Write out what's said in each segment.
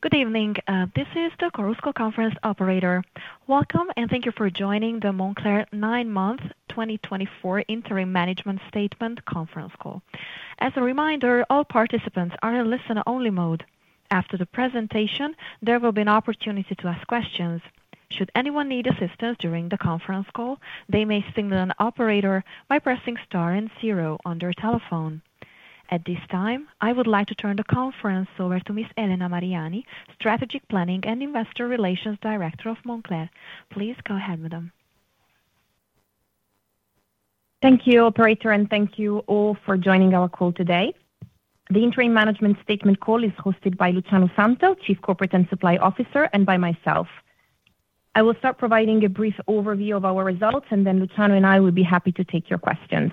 Good evening. This is the Chorus Call Conference Operator. Welcome, and thank you for joining the Moncler Nine-Month 2024 Interim Management Statement Conference Call. As a reminder, all participants are in listener-only mode. After the presentation, there will be an opportunity to ask questions. Should anyone need assistance during the conference call, they may signal an operator by pressing star and zero on their telephone. At this time, I would like to turn the conference over to Ms. Elena Mariani, Strategic Planning and Investor Relations Director of Moncler. Please go ahead, Madam. Thank you, Operator, and thank you all for joining our call today. The Interim Management Statement Call is hosted by Luciano Santel, Chief Corporate and Supply Officer, and by myself. I will start providing a brief overview of our results, and then Luciano and I will be happy to take your questions.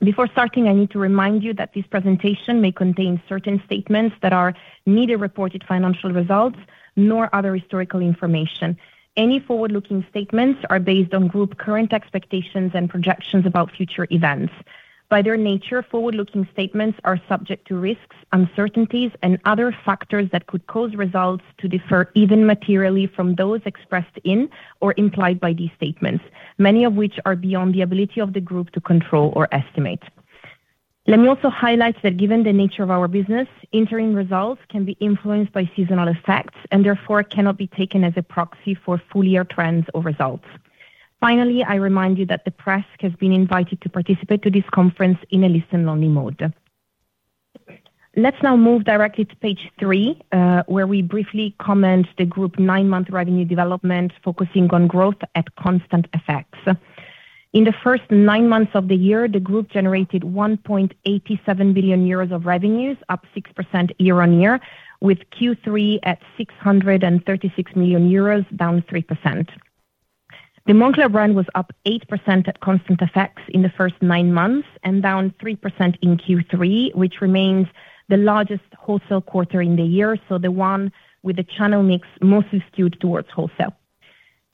Before starting, I need to remind you that this presentation may contain certain statements that are neither reported financial results nor other historical information. Any forward-looking statements are based on group current expectations and projections about future events. By their nature, forward-looking statements are subject to risks, uncertainties, and other factors that could cause results to differ even materially from those expressed in or implied by these statements, many of which are beyond the ability of the group to control or estimate. Let me also highlight that given the nature of our business, interim results can be influenced by seasonal effects and therefore cannot be taken as a proxy for full-year trends or results. Finally, I remind you that the press has been invited to participate in this conference in a listen-only mode. Let's now move directly to Page 3, where we briefly comment on the group's nine-month revenue development, focusing on growth at constant effects. In the first nine months of the year, the group generated 1.87 billion euros of revenues, up 6% year-on-year, with Q3 at 636 million euros, down 3%. The Moncler brand was up 8% at constant effects in the first nine months and down 3% in Q3, which remains the largest wholesale quarter in the year, so the one with the channel mix mostly skewed towards wholesale.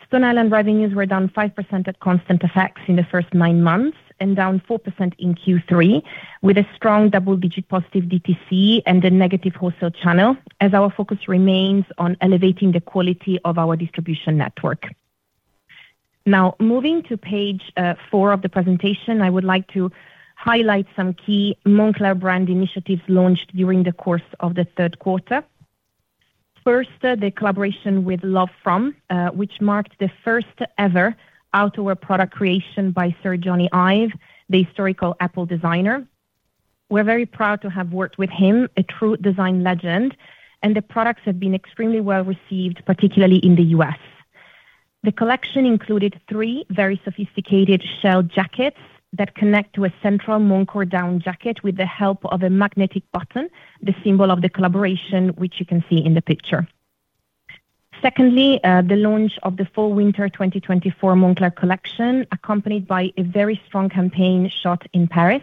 Stone Island revenues were down 5% at constant effects in the first nine months and down 4% in Q3, with a strong double-digit positive DTC and a negative wholesale channel, as our focus remains on elevating the quality of our distribution network. Now, moving to Page 4 of the presentation, I would like to highlight some key Moncler brand initiatives launched during the course of the third quarter. First, the collaboration with LoveFrom, which marked the first-ever outdoor product creation by Sir Jony Ive, the historical Apple designer. We're very proud to have worked with him, a true design legend, and the products have been extremely well received, particularly in the U.S. The collection included three very sophisticated shell jackets that connect to a central Moncore down jacket with the help of a magnetic button, the symbol of the collaboration, which you can see in the picture. Secondly, the launch of the Fall/Winter 2024 Moncler collection, accompanied by a very strong campaign shot in Paris.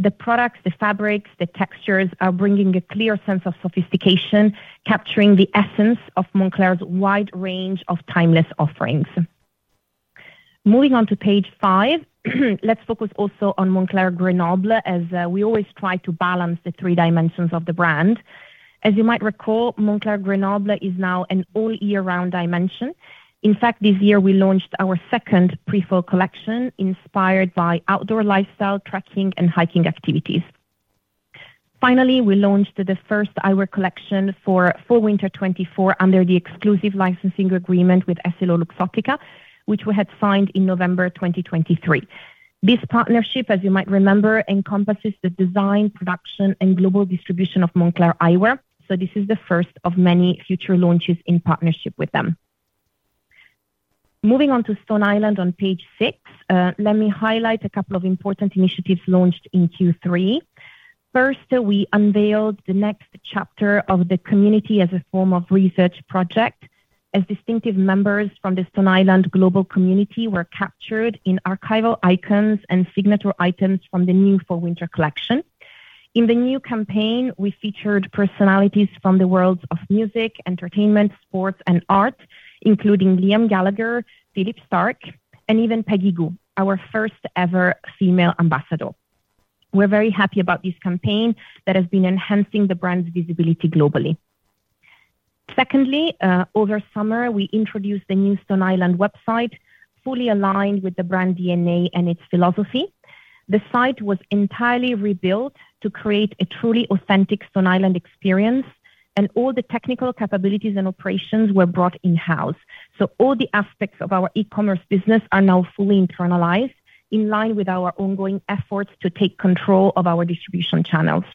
The products, the fabrics, the textures are bringing a clear sense of sophistication, capturing the essence of Moncler's wide range of timeless offerings. Moving on to Page 5, let's focus also on Moncler Grenoble, as we always try to balance the three dimensions of the brand. As you might recall, Moncler Grenoble is now an all-year-round dimension. In fact, this year we launched our second Pre-Fall collection inspired by outdoor lifestyle, trekking, and hiking activities. Finally, we launched the first eyewear collection for Fall/Winter 2024 under the exclusive licensing agreement with EssilorLuxottica, which we had signed in November 2023. This partnership, as you might remember, encompasses the design, production, and global distribution of Moncler Eyewear, so this is the first of many future launches in partnership with them. Moving on to Stone Island on Page 6, let me highlight a couple of important initiatives launched in Q3. First, we unveiled the next chapter of the community as a form of research project, as distinctive members from the Stone Island global community were captured in archival icons and signature items from the new Fall/Winter collection. In the new campaign, we featured personalities from the worlds of music, entertainment, sports, and art, including Liam Gallagher, Philippe Starck, and even Peggy Gou, our first-ever female ambassador. We're very happy about this campaign that has been enhancing the brand's visibility globally. Secondly, over summer, we introduced the new Stone Island website, fully aligned with the brand DNA and its philosophy. The site was entirely rebuilt to create a truly authentic Stone Island experience, and all the technical capabilities and operations were brought in-house. So all the aspects of our e-commerce business are now fully internalized, in line with our ongoing efforts to take control of our distribution channels.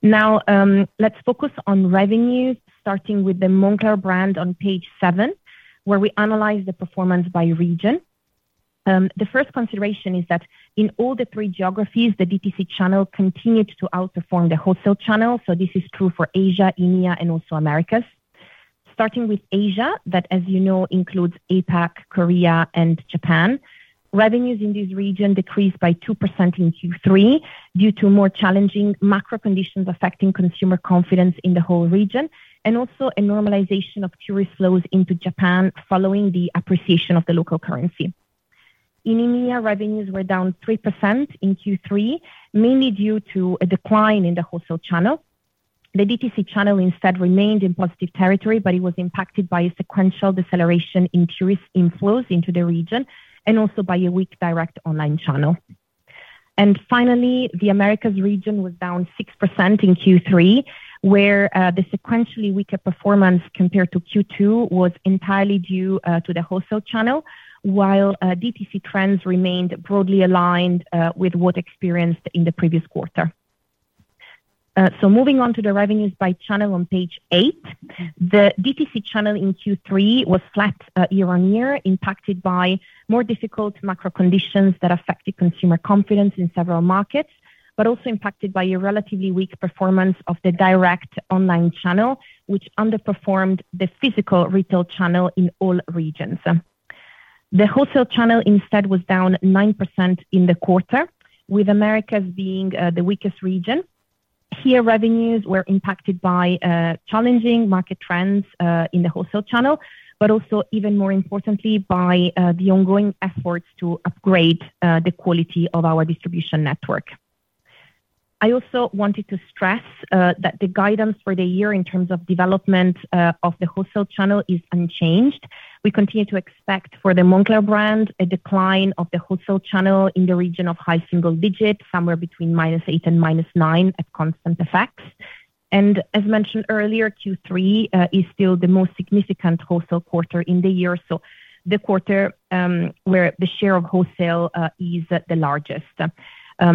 Now, let's focus on revenue, starting with the Moncler brand on Page 7, where we analyze the performance by region. The first consideration is that in all the three geographies, the DTC channel continued to outperform the wholesale channel, so this is true for Asia, India, and also Americas. Starting with Asia, that, as you know, includes APAC, Korea, and Japan, revenues in this region decreased by 2% in Q3 due to more challenging macro conditions affecting consumer confidence in the whole region, and also a normalization of tourist flows into Japan following the appreciation of the local currency. In India, revenues were down 3% in Q3, mainly due to a decline in the wholesale channel. The DTC channel, instead, remained in positive territory, but it was impacted by a sequential deceleration in tourist inflows into the region, and also by a weak direct online channel. And finally, the Americas region was down 6% in Q3, where the sequentially weaker performance compared to Q2 was entirely due to the wholesale channel, while DTC trends remained broadly aligned with what experienced in the previous quarter. So moving on to the revenues by channel on Page 8, the DTC channel in Q3 was flat year-on-year, impacted by more difficult macro conditions that affected consumer confidence in several markets, but also impacted by a relatively weak performance of the direct online channel, which underperformed the physical retail channel in all regions. The wholesale channel, instead, was down 9% in the quarter, with Americas being the weakest region. Here, revenues were impacted by challenging market trends in the wholesale channel, but also, even more importantly, by the ongoing efforts to upgrade the quality of our distribution network. I also wanted to stress that the guidance for the year in terms of development of the wholesale channel is unchanged. We continue to expect for the Moncler brand a decline of the wholesale channel in the region of high single digits, somewhere between minus eight and minus nine at constant effects, and as mentioned earlier, Q3 is still the most significant wholesale quarter in the year, so the quarter where the share of wholesale is the largest.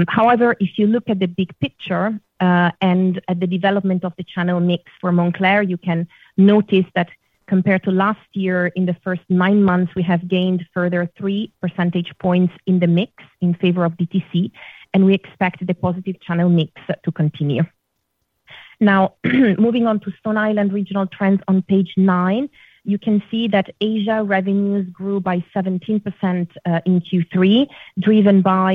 However, if you look at the big picture and at the development of the channel mix for Moncler, you can notice that compared to last year, in the first nine months, we have gained further three percentage points in the mix in favor of DTC, and we expect the positive channel mix to continue. Now, moving on to Stone Island regional trends on Page 9, you can see that Asia revenues grew by 17% in Q3, driven by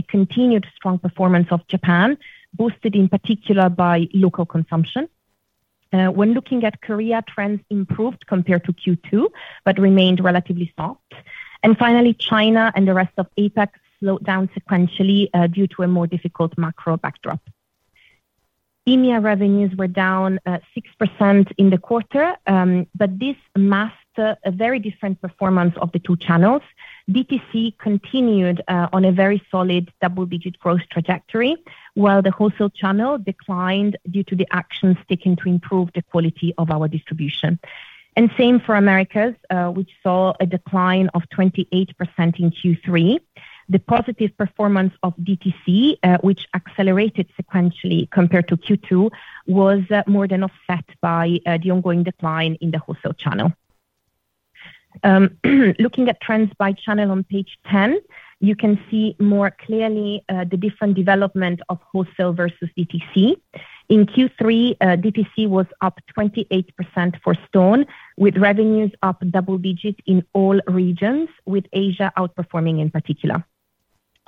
a continued strong performance of Japan, boosted in particular by local consumption. When looking at Korea, trends improved compared to Q2, but remained relatively soft. And finally, China and the rest of APAC slowed down sequentially due to a more difficult macro backdrop. India revenues were down 6% in the quarter, but this masked a very different performance of the two channels. DTC continued on a very solid double-digit growth trajectory, while the wholesale channel declined due to the actions taken to improve the quality of our distribution. And same for Americas, which saw a decline of 28% in Q3. The positive performance of DTC, which accelerated sequentially compared to Q2, was more than offset by the ongoing decline in the wholesale channel. Looking at trends by channel on Page 10, you can see more clearly the different development of wholesale versus DTC. In Q3, DTC was up 28% for Stone, with revenues up double-digit in all regions, with Asia outperforming in particular.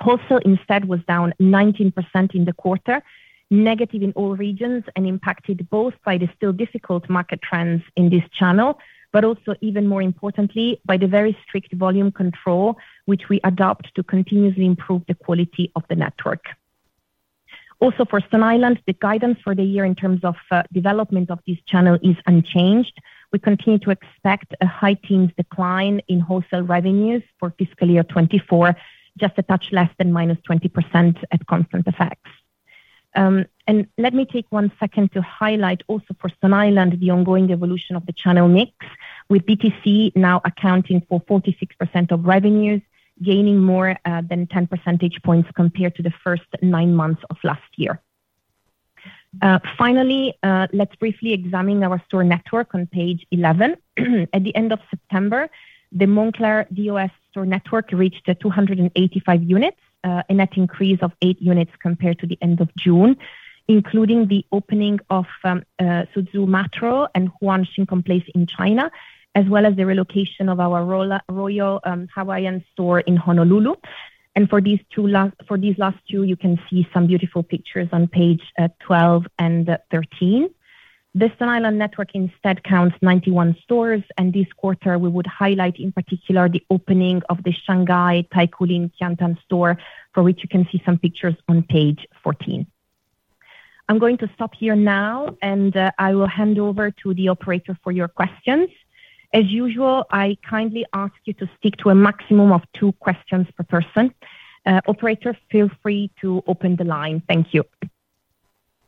Wholesale, instead, was down 19% in the quarter, negative in all regions, and impacted both by the still difficult market trends in this channel, but also, even more importantly, by the very strict volume control, which we adopt to continuously improve the quality of the network. Also, for Stone Island, the guidance for the year in terms of development of this channel is unchanged. We continue to expect a heightened decline in wholesale revenues for fiscal year 24, just a touch less than minus 20% at constant effects. And let me take one second to highlight also for Stone Island the ongoing evolution of the channel mix, with DTC now accounting for 46% of revenues, gaining more than 10 percentage points compared to the first nine months of last year. Finally, let's briefly examine our store network on Page 11. At the end of September, the Moncler DOS store network reached 285 units, a net increase of eight units compared to the end of June, including the opening of Suzhou Matro and Wuhan SK Place in China, as well as the relocation of our Royal Hawaiian store in Honolulu. For these last two, you can see some beautiful pictures on Page 12 and 13. The Stone Island network, instead, counts 91 stores, and this quarter, we would highlight in particular the opening of the Shanghai Taikoo Li Qiantan store, for which you can see some pictures on Page 14. I'm going to stop here now, and I will hand over to the operator for your questions. As usual, I kindly ask you to stick to a maximum of two questions per person. Operator, feel free to open the line. Thank you.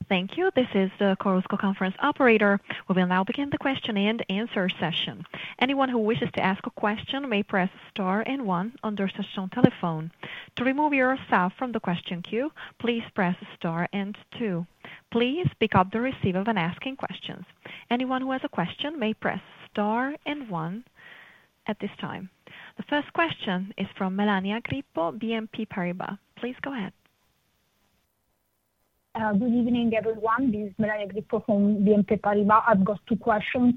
Thank you. This is the Chorus Call conference operator. We will now begin the question and answer session. Anyone who wishes to ask a question may press star, one on your touchtone telephone. To remove yourself from the question queue, please press star, two. Please pick up the receiver when asking questions. Anyone who has a question may press star and one at this time. The first question is from Melania Grippo, BNP Paribas. Please go ahead. Good evening, everyone. This is Melania Grippo from BNP Paribas. I've got two questions.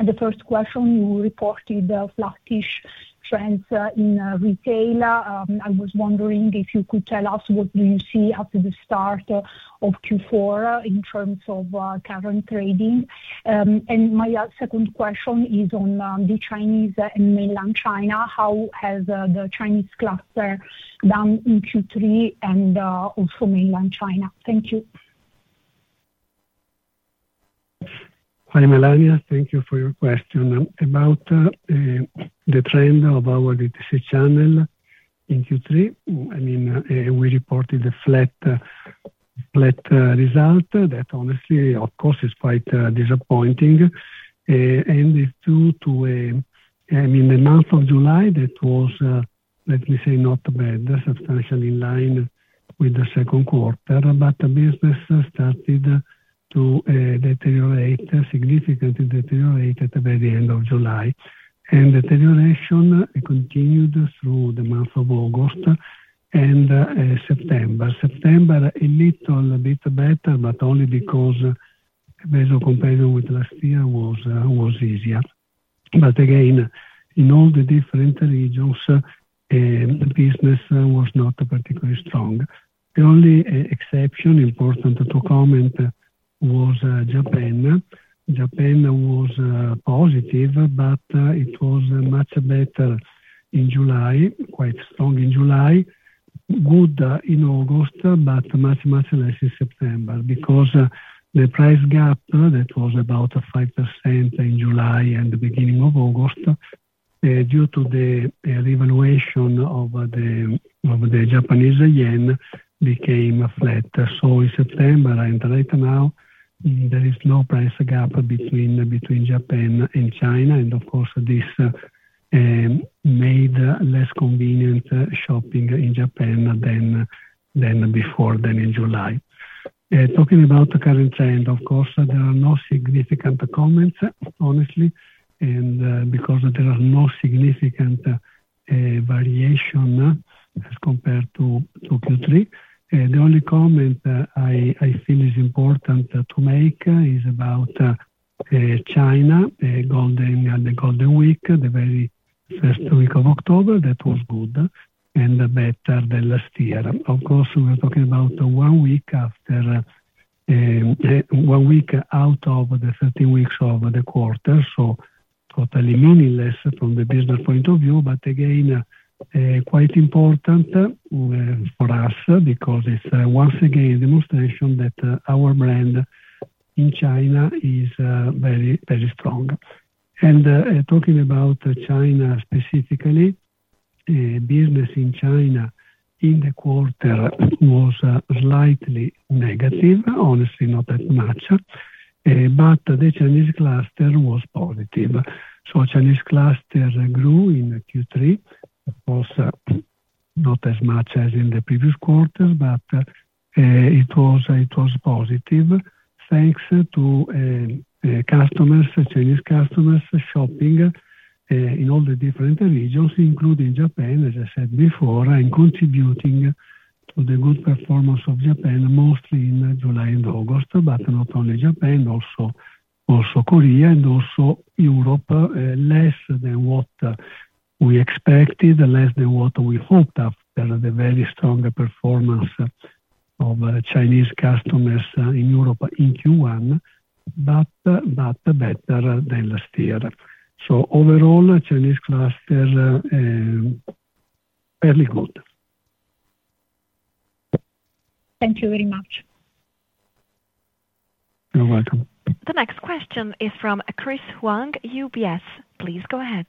The first question, you reported flattish trends in retail. I was wondering if you could tell us what do you see after the start of Q4 in terms of current trading? And my second question is on the Chinese and mainland China. How has the Chinese cluster done in Q3 and also mainland China? Thank you. Hi, Melania. Thank you for your question. About the trend of our DTC channel in Q3, I mean, we reported a flat result that, honestly, of course, is quite disappointing, and it's due to, I mean, the month of July that was, let me say, not bad, substantially in line with the second quarter, but the business started to deteriorate, significantly deteriorated by the end of July, and deterioration continued through the month of August and September. September, a little bit better, but only because the comparison with last year was easier, but again, in all the different regions, the business was not particularly strong. The only exception important to comment was Japan. Japan was positive, but it was much better in July, quite strong in July, good in August, but much, much less in September because the price gap that was about 5% in July and the beginning of August, due to the revaluation of the Japanese yen, became flat. So in September and right now, there is no price gap between Japan and China, and of course, this made less convenient shopping in Japan than before then in July. Talking about the current trend, of course, there are no significant comments, honestly, and because there are no significant variation as compared to Q3, the only comment I feel is important to make is about China, the Golden Week, the very first week of October that was good and better than last year. Of course, we're talking about one week out of the 13 weeks of the quarter, so totally meaningless from the business point of view, but again, quite important for us because it's once again a demonstration that our brand in China is very, very strong, and talking about China specifically, business in China in the quarter was slightly negative, honestly, not that much, but the Chinese cluster was positive. So, Chinese cluster grew in Q3, of course, not as much as in the previous quarter, but it was positive thanks to Chinese customers shopping in all the different regions, including Japan, as I said before, and contributing to the good performance of Japan, mostly in July and August, but not only Japan, also Korea and also Europe, less than what we expected, less than what we hoped after the very strong performance of Chinese customers in Europe in Q1, but better than last year. So overall, Chinese cluster fairly good. Thank you very much. You're welcome. The next question is from Chris Huang, UBS. Please go ahead.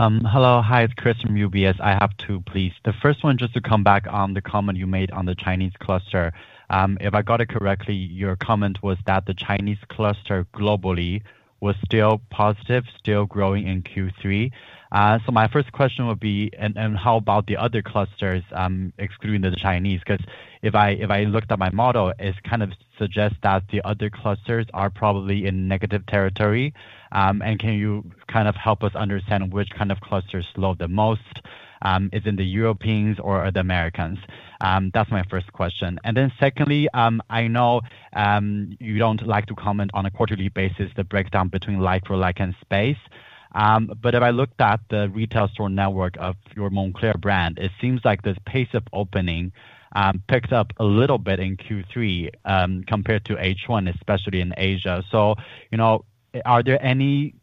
Hello. Hi, it's Chris from UBS. I have two questions. The first one, just to come back on the comment you made on the Chinese cluster. If I got it correctly, your comment was that the Chinese cluster globally was still positive, still growing in Q3. So my first question would be, and how about the other clusters, excluding the Chinese? Because if I looked at my model, it kind of suggests that the other clusters are probably in negative territory. And can you kind of help us understand which kind of clusters slowed the most? Is it the Europeans or the Americans? That's my first question. And then secondly, I know you don't like to comment on a quarterly basis, the breakdown between DTC, wholesale, and licenses. But if I looked at the retail store network of your Moncler brand, it seems like the pace of opening picked up a little bit in Q3 compared to H1, especially in Asia. So are there any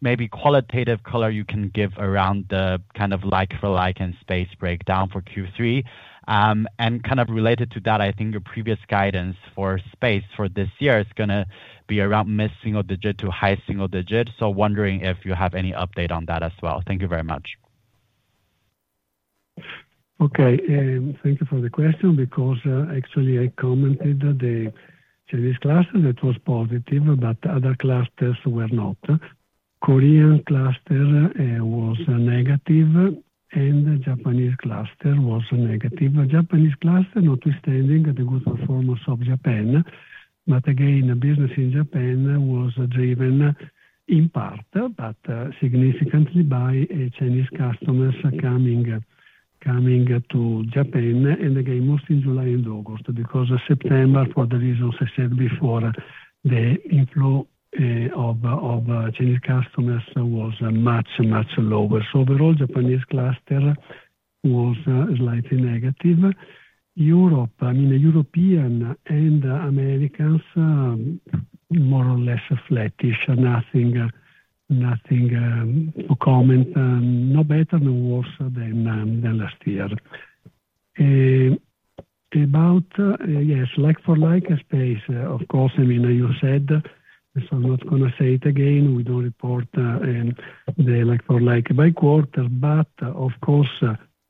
maybe qualitative color you can give around the kind of luxury, location, and space breakdown for Q3? And kind of related to that, I think your previous guidance for space for this year is going to be around mid single digit to high single digit. So wondering if you have any update on that as well. Thank you very much. Okay. Thank you for the question because actually, I commented the Chinese cluster that was positive, but other clusters were not. Korean cluster was negative, and Japanese cluster was negative. Japanese cluster, notwithstanding the good performance of Japan, but again, business in Japan was driven in part, but significantly by Chinese customers coming to Japan. And again, mostly in July and August because September, for the reasons I said before, the inflow of Chinese customers was much, much lower. So overall, Japanese cluster was slightly negative. Europe, I mean, European and Americans, more or less flattish, nothing to comment, no better, no worse than last year. About, yes, like-for-like, space, of course, I mean, you said, so I'm not going to say it again. We don't report the like-for-like by quarter, but of course,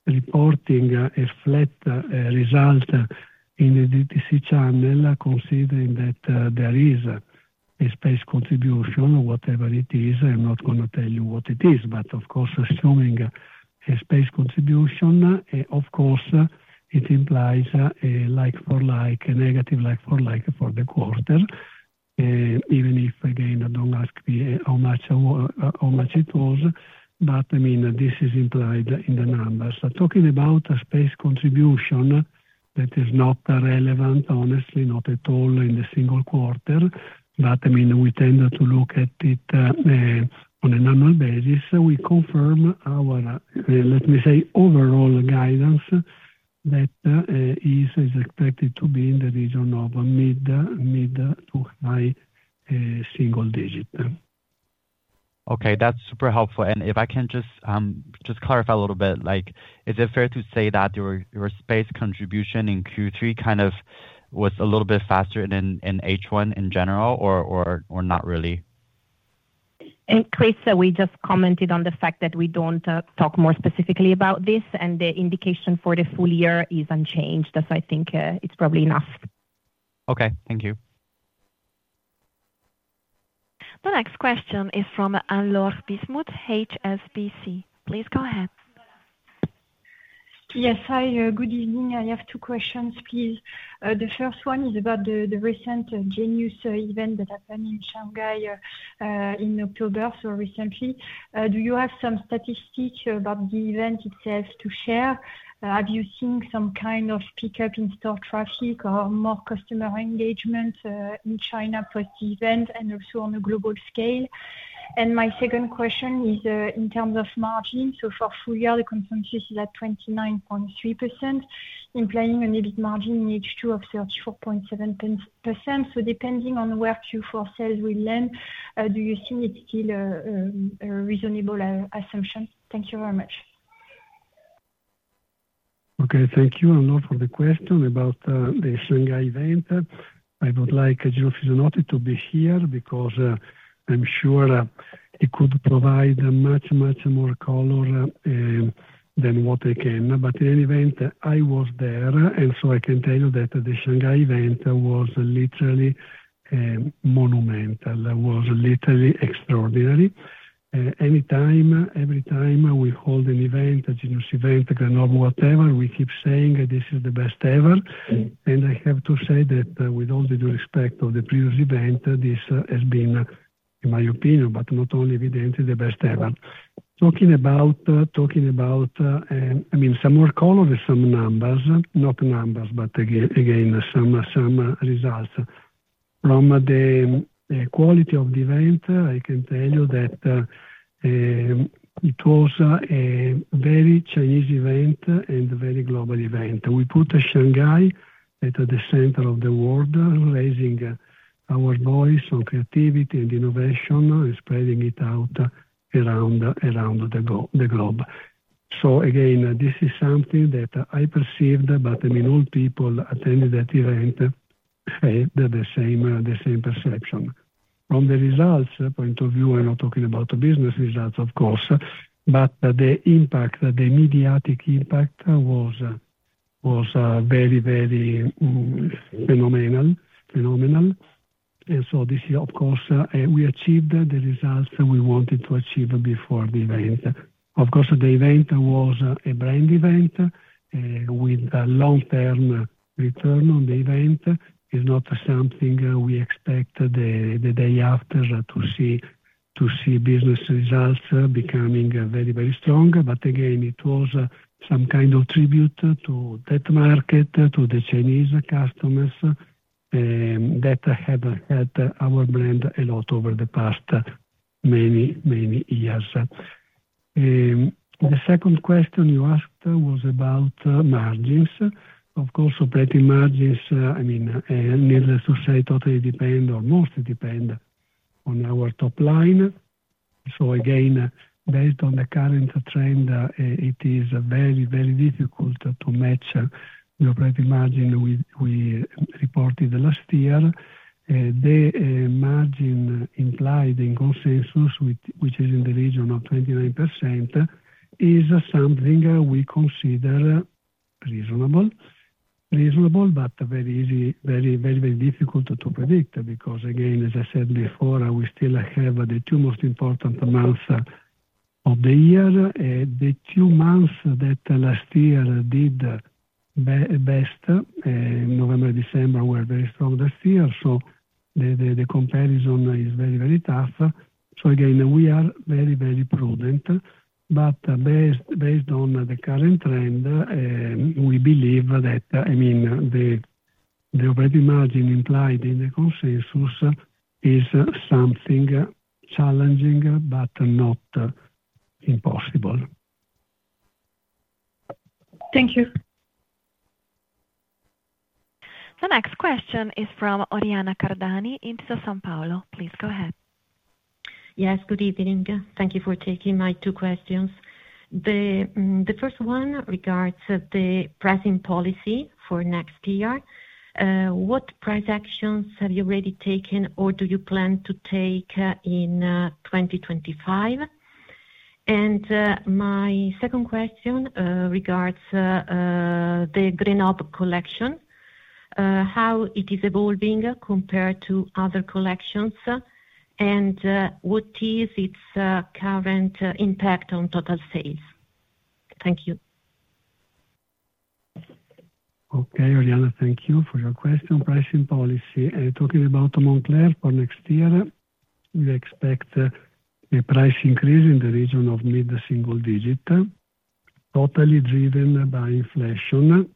reporting a flat result in the DTC channel, considering that there is an ASP contribution, whatever it is, I'm not going to tell you what it is, but of course, assuming an ASP contribution, of course, it implies negative like-for-like for the quarter, even if, again, don't ask me how much it was, but I mean, this is implied in the numbers. Talking about an ASP contribution that is not relevant, honestly, not at all in the single quarter, but I mean, we tend to look at it on an annual basis. We confirm our, let me say, overall guidance that is expected to be in the region of mid- to high-single-digit. Okay. That's super helpful. And if I can just clarify a little bit, is it fair to say that your sales contribution in Q3 kind of was a little bit faster than in H1 in general, or not really? And Chris, we just commented on the fact that we don't talk more specifically about this, and the indication for the full year is unchanged. That's, I think, it's probably enough. Okay. Thank you. The next question is from Anne-Laure Bismuth, HSBC. Please go ahead. Yes. Hi, good evening. I have two questions, please. The first one is about the recent Genius event that happened in Shanghai in October, so recently. Do you have some statistics about the event itself to share? Have you seen some kind of pickup in store traffic or more customer engagement in China post-event and also on a global scale? And my second question is in terms of margin. So for full year, the consensus is at 29.3%, implying an EBIT margin in H2 of 34.7%. So depending on where Q4 sales will land, do you see it's still a reasonable assumption? Thank you very much. Okay. Thank you, Anne, for the question about the Shanghai event. I would like Gino Fisanotti to be here because I'm sure it could provide much, much more color than what I can. But in any event, I was there, and so I can tell you that the Shanghai event was literally monumental, was literally extraordinary. Anytime, every time we hold an event, a Genius event, whatever, we keep saying this is the best ever. And I have to say that with all due respect of the previous event, this has been, in my opinion, but not only evidently the best ever. Talking about, I mean, some more color with some numbers, not numbers, but again, some results. From the quality of the event, I can tell you that it was a very Chinese event and a very global event. We put Shanghai at the center of the world, raising our voice on creativity and innovation and spreading it out around the globe, so again, this is something that I perceived, but I mean, all people attending that event had the same perception. From the results point of view, I'm not talking about the business results, of course, but the impact, the mediatic impact was very, very phenomenal, and so this year, of course, we achieved the results we wanted to achieve before the event. Of course, the event was a brand event with a long-term return on the event. It's not something we expect the day after to see business results becoming very, very strong, but again, it was some kind of tribute to that market, to the Chinese customers that have helped our brand a lot over the past many, many years. The second question you asked was about margins. Of course, operating margins, I mean, needless to say, totally depend or mostly depend on our top line. So again, based on the current trend, it is very, very difficult to match the operating margin we reported last year. The margin implied in consensus, which is in the region of 29%, is something we consider reasonable, but very easy, very, very, very difficult to predict because, again, as I said before, we still have the two most important months of the year. The two months that last year did best, November, December, were very strong this year. So the comparison is very, very tough. So again, we are very, very prudent. But based on the current trend, we believe that, I mean, the operating margin implied in the consensus is something challenging, but not impossible. Thank you. The next question is from Oriana Cardani in Intesa Sanpaolo. Please go ahead. Yes. Good evening. Thank you for taking my two questions. The first one regards the pricing policy for next year. What price actions have you already taken or do you plan to take in 2025? And my second question regards the Grenoble collection, how it is evolving compared to other collections, and what is its current impact on total sales? Thank you. Okay. Oriana, thank you for your question, pricing policy. Talking about Moncler for next year, we expect a price increase in the region of mid- to single-digit, totally driven by inflation.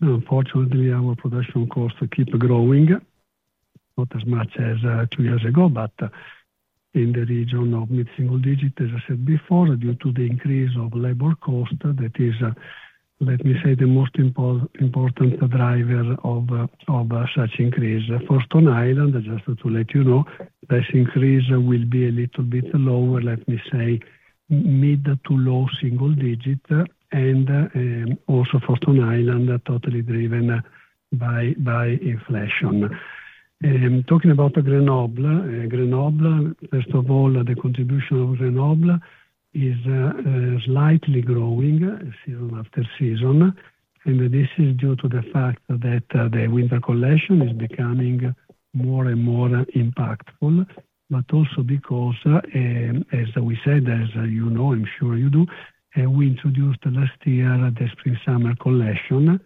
Unfortunately, our production costs keep growing, not as much as two years ago, but in the region of mid- to single-digit, as I said before, due to the increase of labor cost that is, let me say, the most important driver of such increase. For Stone Island, just to let you know, price increase will be a little bit lower, let me say, mid- to low single-digit, and also for Stone Island, totally driven by inflation. Talking about the Grenoble, first of all, the contribution of Grenoble is slightly growing season after season. This is due to the fact that the winter collection is becoming more and more impactful, but also because, as we said, as you know, I'm sure you do, we introduced last year the Spring/Summer collection.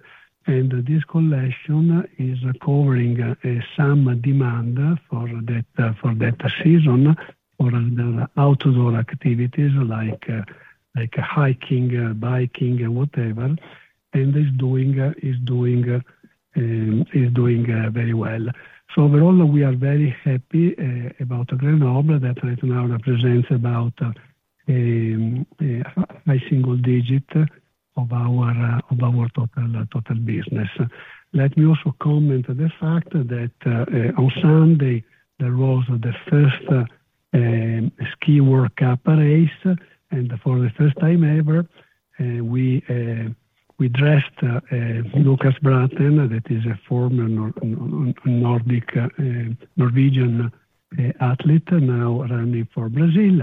This collection is covering some demand for that season for outdoor activities like hiking, biking, whatever, and is doing very well. Overall, we are very happy about the Grenoble that right now represents about a high single digit of our total business. Let me also comment on the fact that on Sunday, there was the first Ski World Cup race, and for the first time ever, we dressed Luca Braathen, that is a former Norwegian athlete now running for Brazil,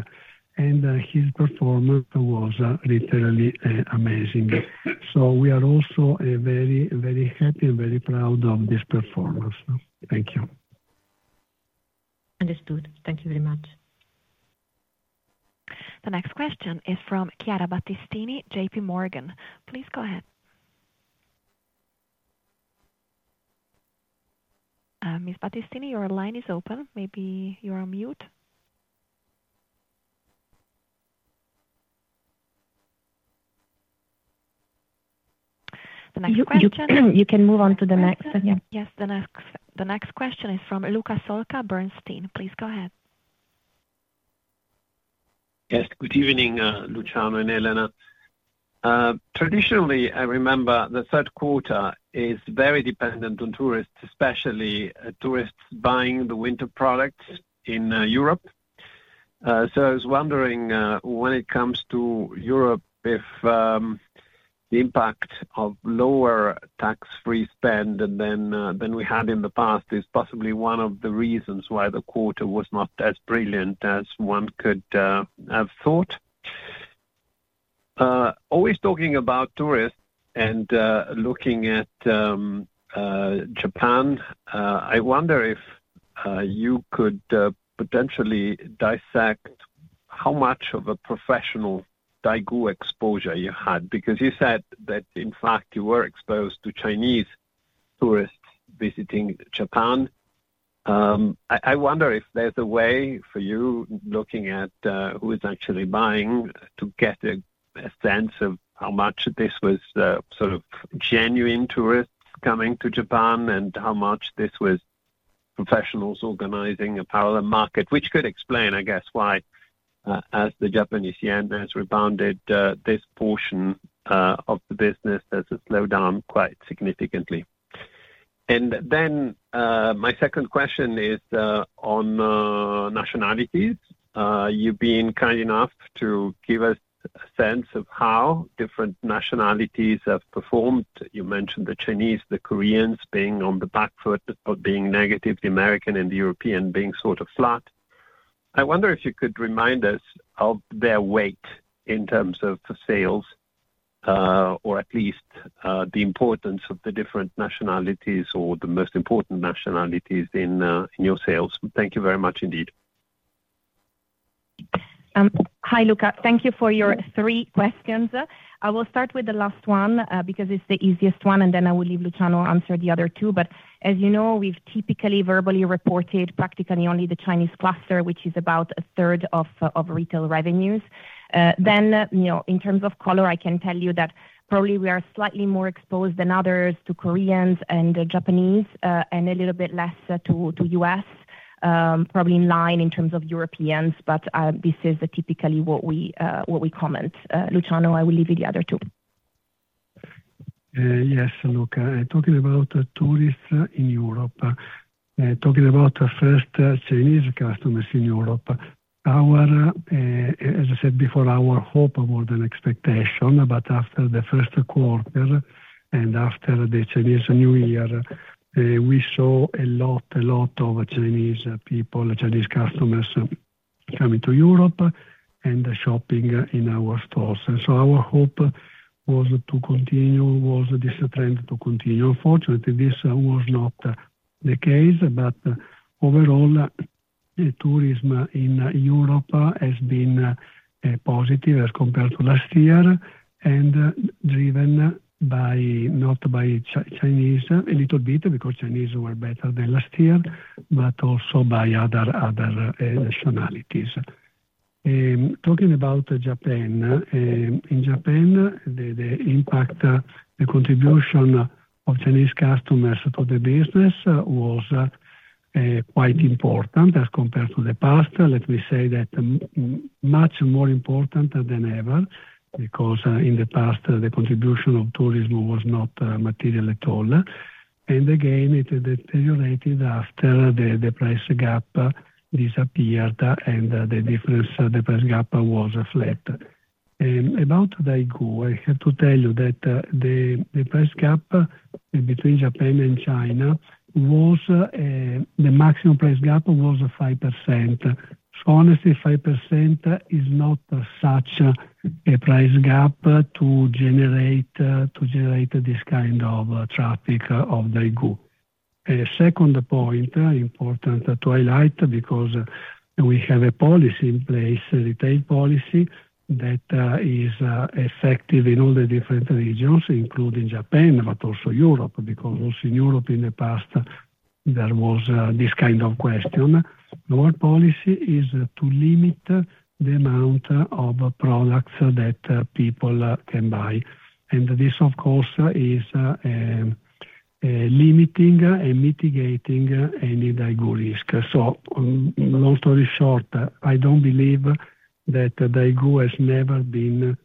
and his performance was literally amazing. We are also very, very happy and very proud of this performance. Thank you. Understood. Thank you very much. The next question is from Chiara Battistini, JP Morgan. Please go ahead. Ms. Battistini, your line is open. Maybe you're on mute. The next question. You can move on to the next. Yes. The next question is from Luca Solca, Bernstein. Please go ahead. Yes. Good evening, Luciano and Elena. Traditionally, I remember the third quarter is very dependent on tourists, especially tourists buying the winter products in Europe. So I was wondering when it comes to Europe, if the impact of lower tax-free spend than we had in the past is possibly one of the reasons why the quarter was not as brilliant as one could have thought. Always talking about tourists and looking at Japan, I wonder if you could potentially dissect how much of a professional daigou exposure you had because you said that, in fact, you were exposed to Chinese tourists visiting Japan. I wonder if there's a way for you, looking at who is actually buying, to get a sense of how much this was sort of genuine tourists coming to Japan and how much this was professionals organizing a parallel market, which could explain, I guess, why, as the Japanese yen has rebounded, this portion of the business has slowed down quite significantly. And then my second question is on nationalities. You've been kind enough to give us a sense of how different nationalities have performed. You mentioned the Chinese, the Koreans being on the back foot or being negative, the American and the European being sort of flat. I wonder if you could remind us of their weight in terms of sales or at least the importance of the different nationalities or the most important nationalities in your sales. Thank you very much indeed. Hi, Luca. Thank you for your three questions. I will start with the last one because it's the easiest one, and then I will leave Luciano to answer the other two. But as you know, we've typically verbally reported practically only the Chinese cluster, which is about a third of retail revenues. Then, in terms of color, I can tell you that probably we are slightly more exposed than others to Koreans and Japanese and a little bit less to U.S., probably in line in terms of Europeans, but this is typically what we comment. Luciano, I will leave you the other two. Yes, Luca. Talking about tourists in Europe, talking about first Chinese customers in Europe, as I said before, our hope more than expectation, but after the first quarter and after the Chinese New Year, we saw a lot, a lot of Chinese people, Chinese customers coming to Europe and shopping in our stores, and so our hope was to continue this trend to continue. Unfortunately, this was not the case, but overall, tourism in Europe has been positive as compared to last year and driven not by Chinese, a little bit, because Chinese were better than last year, but also by other nationalities. Talking about Japan, in Japan, the impact, the contribution of Chinese customers for the business was quite important as compared to the past. Let me say that much more important than ever because in the past, the contribution of tourism was not material at all. Again, it deteriorated after the price gap disappeared and the difference, the price gap was flat. About Daigou, I have to tell you that the price gap between Japan and China was the maximum price gap was 5%. So honestly, 5% is not such a price gap to generate this kind of traffic of Daigou. Second point important to highlight because we have a policy in place, retail policy that is effective in all the different regions, including Japan, but also Europe because also in Europe, in the past, there was this kind of question. Our policy is to limit the amount of products that people can buy. And this, of course, is limiting and mitigating any Daigou risk. So long story short, I don't believe that Daigou has never been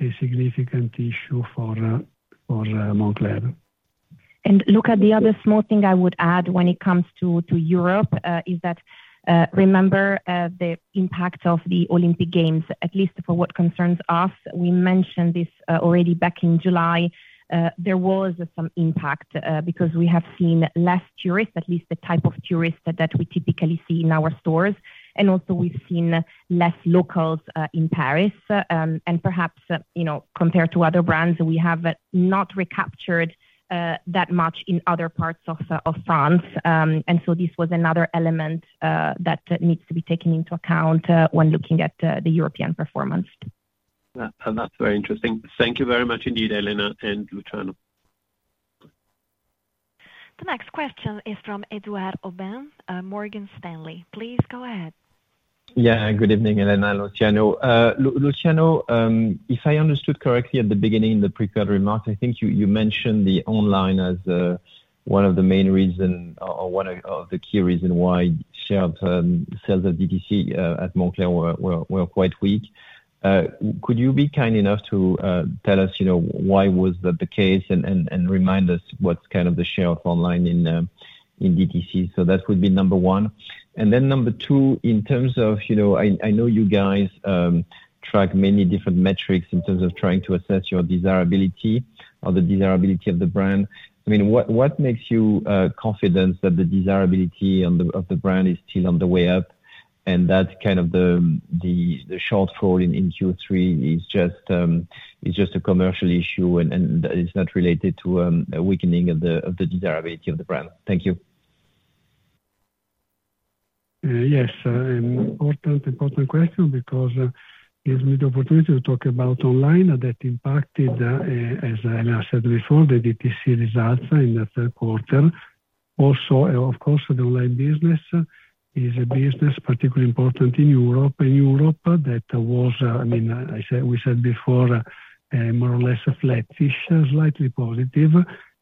a significant issue for Moncler. And Luca, the other small thing I would add when it comes to Europe is that remember the impact of the Olympic Games, at least for what concerns us. We mentioned this already back in July. There was some impact because we have seen less tourists, at least the type of tourists that we typically see in our stores. And also, we've seen less locals in Paris. And perhaps compared to other brands, we have not recaptured that much in other parts of France. And so this was another element that needs to be taken into account when looking at the European performance. That's very interesting. Thank you very much indeed, Elena and Luciano. The next question is from Édouard Aubin, Morgan Stanley. Please go ahead. Yeah. Good evening, Elena and Luciano. Luciano, if I understood correctly at the beginning in the pre-call remarks, I think you mentioned the online as one of the main reasons or one of the key reasons why sales at DTC at Moncler were quite weak. Could you be kind enough to tell us why was that the case and remind us what's kind of the share of online in DTC? So that would be number one. And then number two, in terms of I know you guys track many different metrics in terms of trying to assess your desirability or the desirability of the brand. I mean, what makes you confident that the desirability of the brand is still on the way up and that kind of the shortfall in Q3 is just a commercial issue and it's not related to a weakening of the desirability of the brand? Thank you. Yes. Important, important question because it gives me the opportunity to talk about online that impacted, as Elena said before, the DTC results in the third quarter. Also, of course, the online business is a business particularly important in Europe. In Europe, that was, I mean, we said before, more or less flat-ish, slightly positive.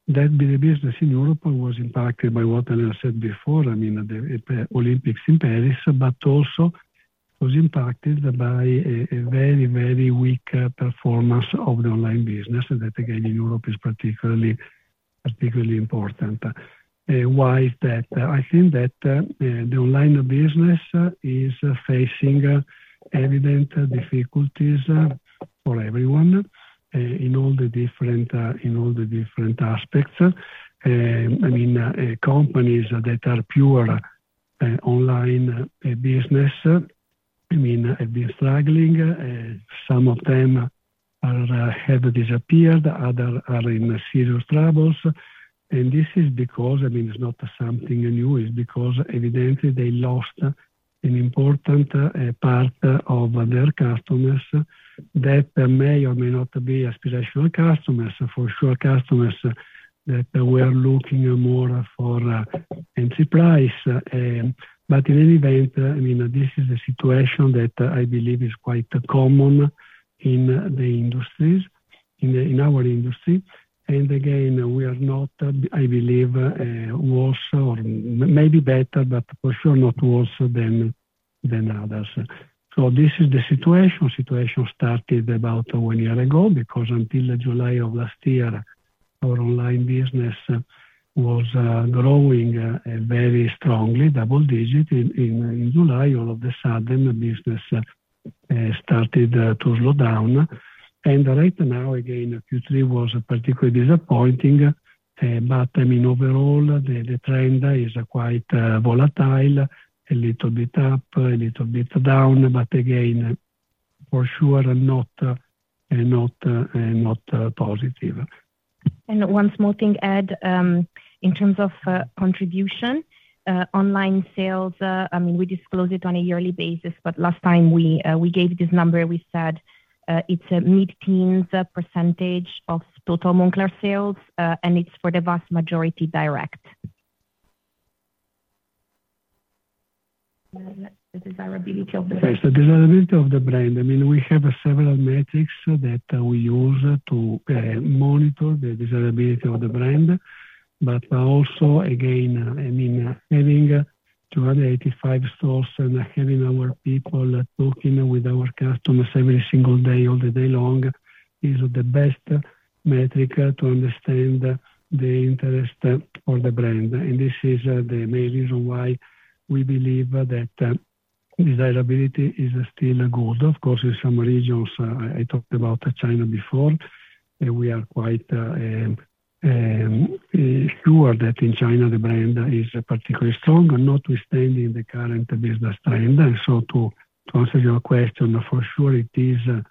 That business in Europe was impacted by what Elena said before, I mean, the Olympics in Paris, but also was impacted by a very, very weak performance of the online business. And that, again, in Europe is particularly important. Why is that? I think that the online business is facing evident difficulties for everyone in all the different aspects. I mean, companies that are pure online business, I mean, have been struggling. Some of them have disappeared. Others are in serious troubles. And this is because, I mean, it's not something new. It's because evidently they lost an important part of their customers that may or may not be aspirational customers, for sure customers that were looking more for enterprise. But in any event, I mean, this is a situation that I believe is quite common in the industries, in our industry. And again, we are not, I believe, worse or maybe better, but for sure not worse than others. So this is the situation. Situation started about one year ago because until July of last year, our online business was growing very strongly, double-digit in July. All of a sudden, the business started to slow down. And right now, again, Q3 was particularly disappointing. But I mean, overall, the trend is quite volatile, a little bit up, a little bit down, but again, for sure not positive. One small thing to add in terms of contribution, online sales, I mean, we disclose it on a yearly basis, but last time we gave this number, we said it's a mid-teens percentage of total Moncler sales, and it's for the vast majority direct. The desirability of the brand. I mean, we have several metrics that we use to monitor the desirability of the brand. But also, again, I mean, having 285 stores and having our people talking with our customers every single day, all day long, is the best metric to understand the interest for the brand. And this is the main reason why we believe that desirability is still good. Of course, in some regions, I talked about China before, and we are quite sure that in China, the brand is particularly strong, notwithstanding the current business trend. And so to answer your question, for sure, it is a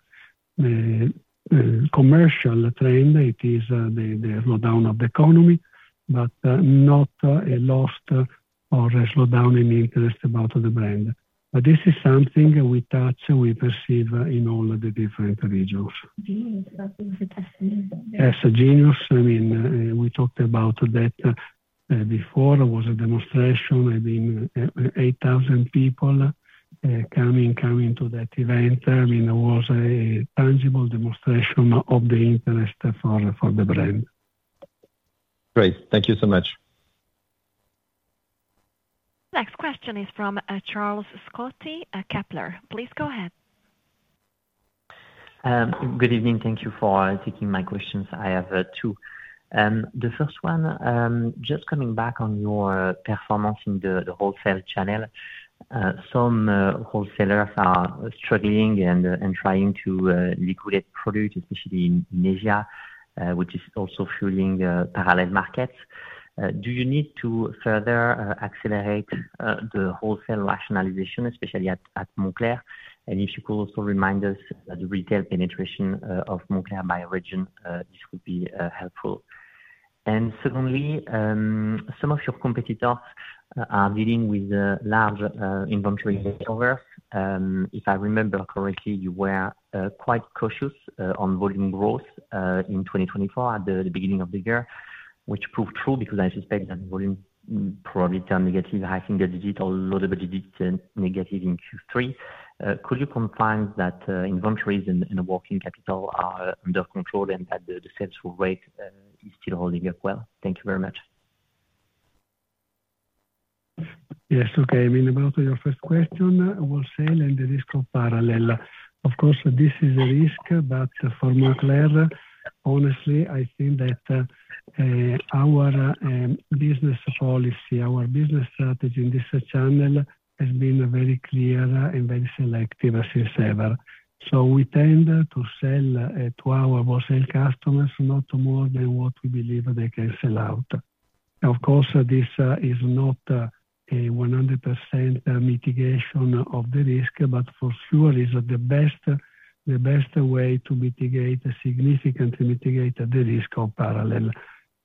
commercial trend. It is the slowdown of the economy, but not a loss or a slowdown in interest about the brand. But this is something we touch. We perceive in all the different regions. Yes. Genius. I mean, we talked about that before. It was a demonstration. I mean, 8,000 people coming to that event. I mean, there was a tangible demonstration of the interest for the brand. Great. Thank you so much. The next question is from Charles-Louis Scotti, Kepler Cheuvreux. Please go ahead. Good evening. Thank you for taking my questions. I have two. The first one, just coming back on your performance in the wholesale channel, some wholesalers are struggling and trying to liquidate products, especially in Asia, which is also fueling parallel markets. Do you need to further accelerate the wholesale rationalization, especially at Moncler? And if you could also remind us of the retail penetration of Moncler by region, this would be helpful. And secondly, some of your competitors are dealing with large inventory takeovers. If I remember correctly, you were quite cautious on volume growth in 2024 at the beginning of the year, which proved true because I suspect that volume probably turned negative in the digital, a little bit negative in Q3. Could you confirm that inventories and working capital are under control and that the sales rate is still holding up well? Thank you very much. Yes. Okay. I mean, about your first question, wholesale and the risk of parallel. Of course, this is a risk, but for Moncler, honestly, I think that our business policy, our business strategy in this channel has been very clear and very selective since ever. So we tend to sell to our wholesale customers not more than what we believe they can sell out. Of course, this is not a 100% mitigation of the risk, but for sure, it's the best way to mitigate significantly the risk of parallel.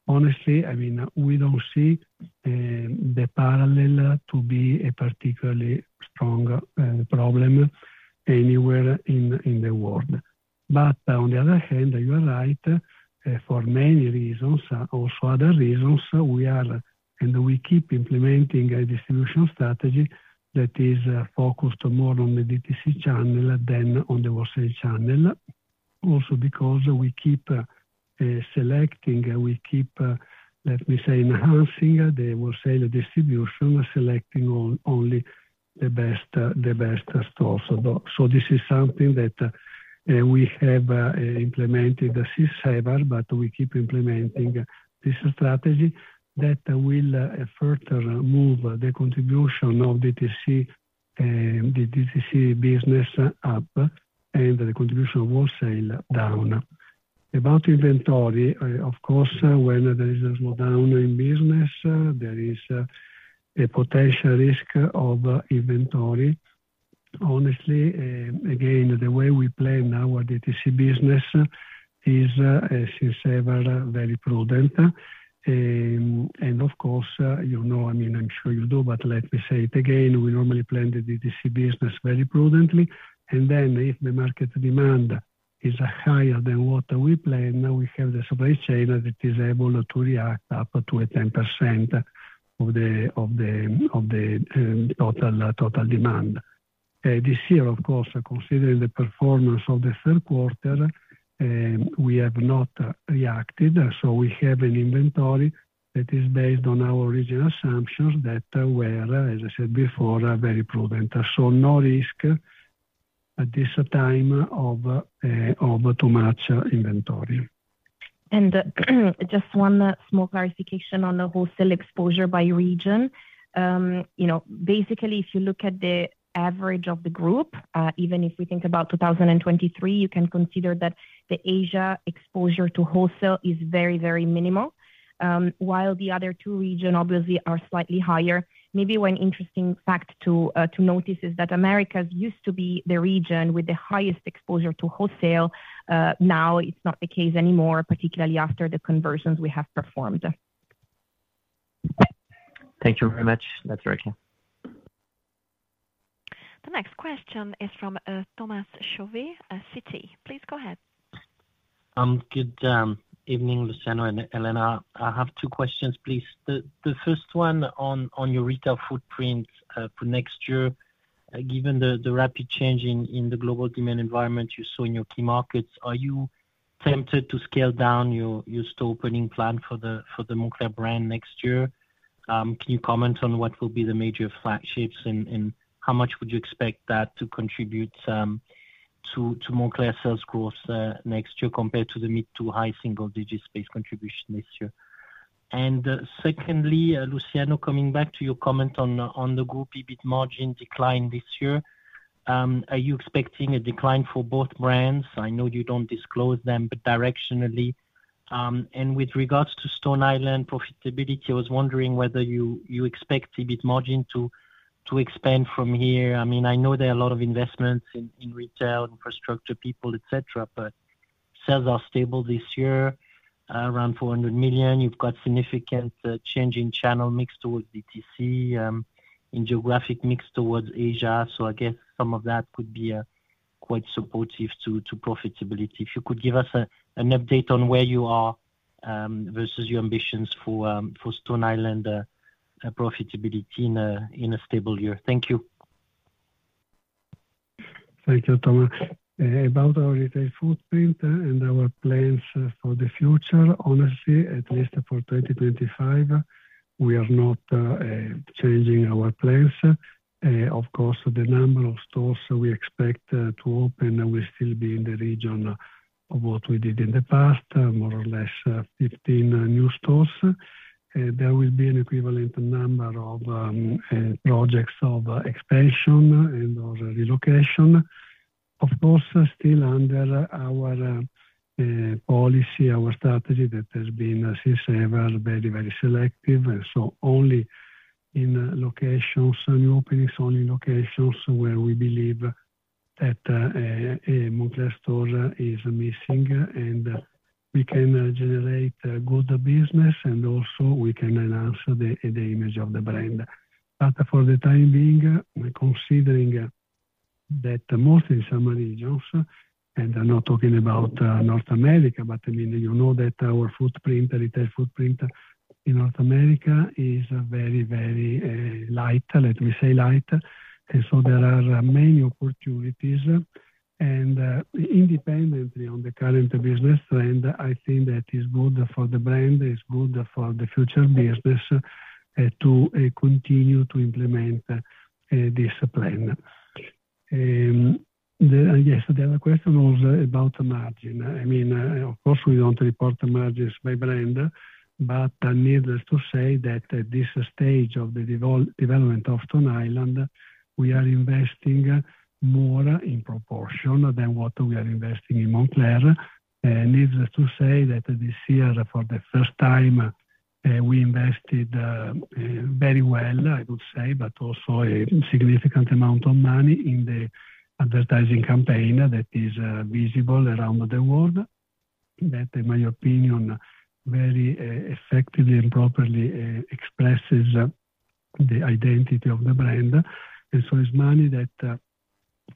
Honestly, I mean, we don't see the parallel to be a particularly strong problem anywhere in the world. But on the other hand, you are right, for many reasons, also other reasons, we are and we keep implementing a distribution strategy that is focused more on the DTC channel than on the wholesale channel. Also, because we keep selecting, let me say, enhancing the wholesale distribution, selecting only the best stores. So this is something that we have implemented since ever, but we keep implementing this strategy that will further move the contribution of the DTC business up and the contribution of wholesale down. About inventory, of course, when there is a slowdown in business, there is a potential risk of inventory. Honestly, again, the way we plan our DTC business is since ever very prudent. And of course, I mean, I'm sure you do, but let me say it again, we normally plan the DTC business very prudently. And then if the market demand is higher than what we plan, we have the supply chain that is able to react up to 10% of the total demand. This year, of course, considering the performance of the third quarter, we have not reacted. So we have an inventory that is based on our original assumptions that were, as I said before, very prudent. So no risk at this time of too much inventory. Just one small clarification on the wholesale exposure by region. Basically, if you look at the average of the group, even if we think about 2023, you can consider that the Asia exposure to wholesale is very, very minimal, while the other two regions, obviously, are slightly higher. Maybe one interesting fact to notice is that Americas used to be the region with the highest exposure to wholesale. Now, it's not the case anymore, particularly after the conversions we have performed. Thank you very much. That's right. The next question is from Thomas Chauvet, Citi. Please go ahead. Good evening, Luciano and Elena. I have two questions, please. The first one on your retail footprint for next year. Given the rapid change in the global demand environment you saw in your key markets, are you tempted to scale down your store opening plan for the Moncler brand next year? Can you comment on what will be the major flagships and how much would you expect that to contribute to Moncler's sales growth next year compared to the mid to high single-digit space contribution this year? And secondly, Luciano, coming back to your comment on the group EBIT margin decline this year, are you expecting a decline for both brands? I know you don't disclose them, but directionally. And with regards to Stone Island profitability, I was wondering whether you expect EBIT margin to expand from here. I mean, I know there are a lot of investments in retail, infrastructure, people, etc., but sales are stable this year, around €400 million. You've got significant change in channel mix towards DTC, in geographic mix towards Asia. So I guess some of that could be quite supportive to profitability. If you could give us an update on where you are versus your ambitions for Stone Island profitability in a stable year. Thank you. Thank you, Thomas. About our retail footprint and our plans for the future, honestly, at least for 2025, we are not changing our plans. Of course, the number of stores we expect to open will still be in the region of what we did in the past, more or less 15 new stores. There will be an equivalent number of projects of expansion and/or relocation. Of course, still under our policy, our strategy that has been since ever very, very selective, and so only in locations, new openings, only locations where we believe that a Moncler store is missing and we can generate good business and also we can enhance the image of the brand. But for the time being, considering that mostly in some regions, and I'm not talking about North America, but I mean, you know that our footprint, retail footprint in North America is very, very light, let me say light, and so there are many opportunities, and independently of the current business trend, I think that is good for the brand, is good for the future business to continue to implement this plan. Yes. The other question was about the margin. I mean, of course, we don't report the margins by brand, but needless to say that at this stage of the development of Stone Island, we are investing more in proportion than what we are investing in Moncler. Needless to say that this year, for the first time, we invested very well, I would say, but also a significant amount of money in the advertising campaign that is visible around the world, that in my opinion, very effectively and properly expresses the identity of the brand. And so it's money that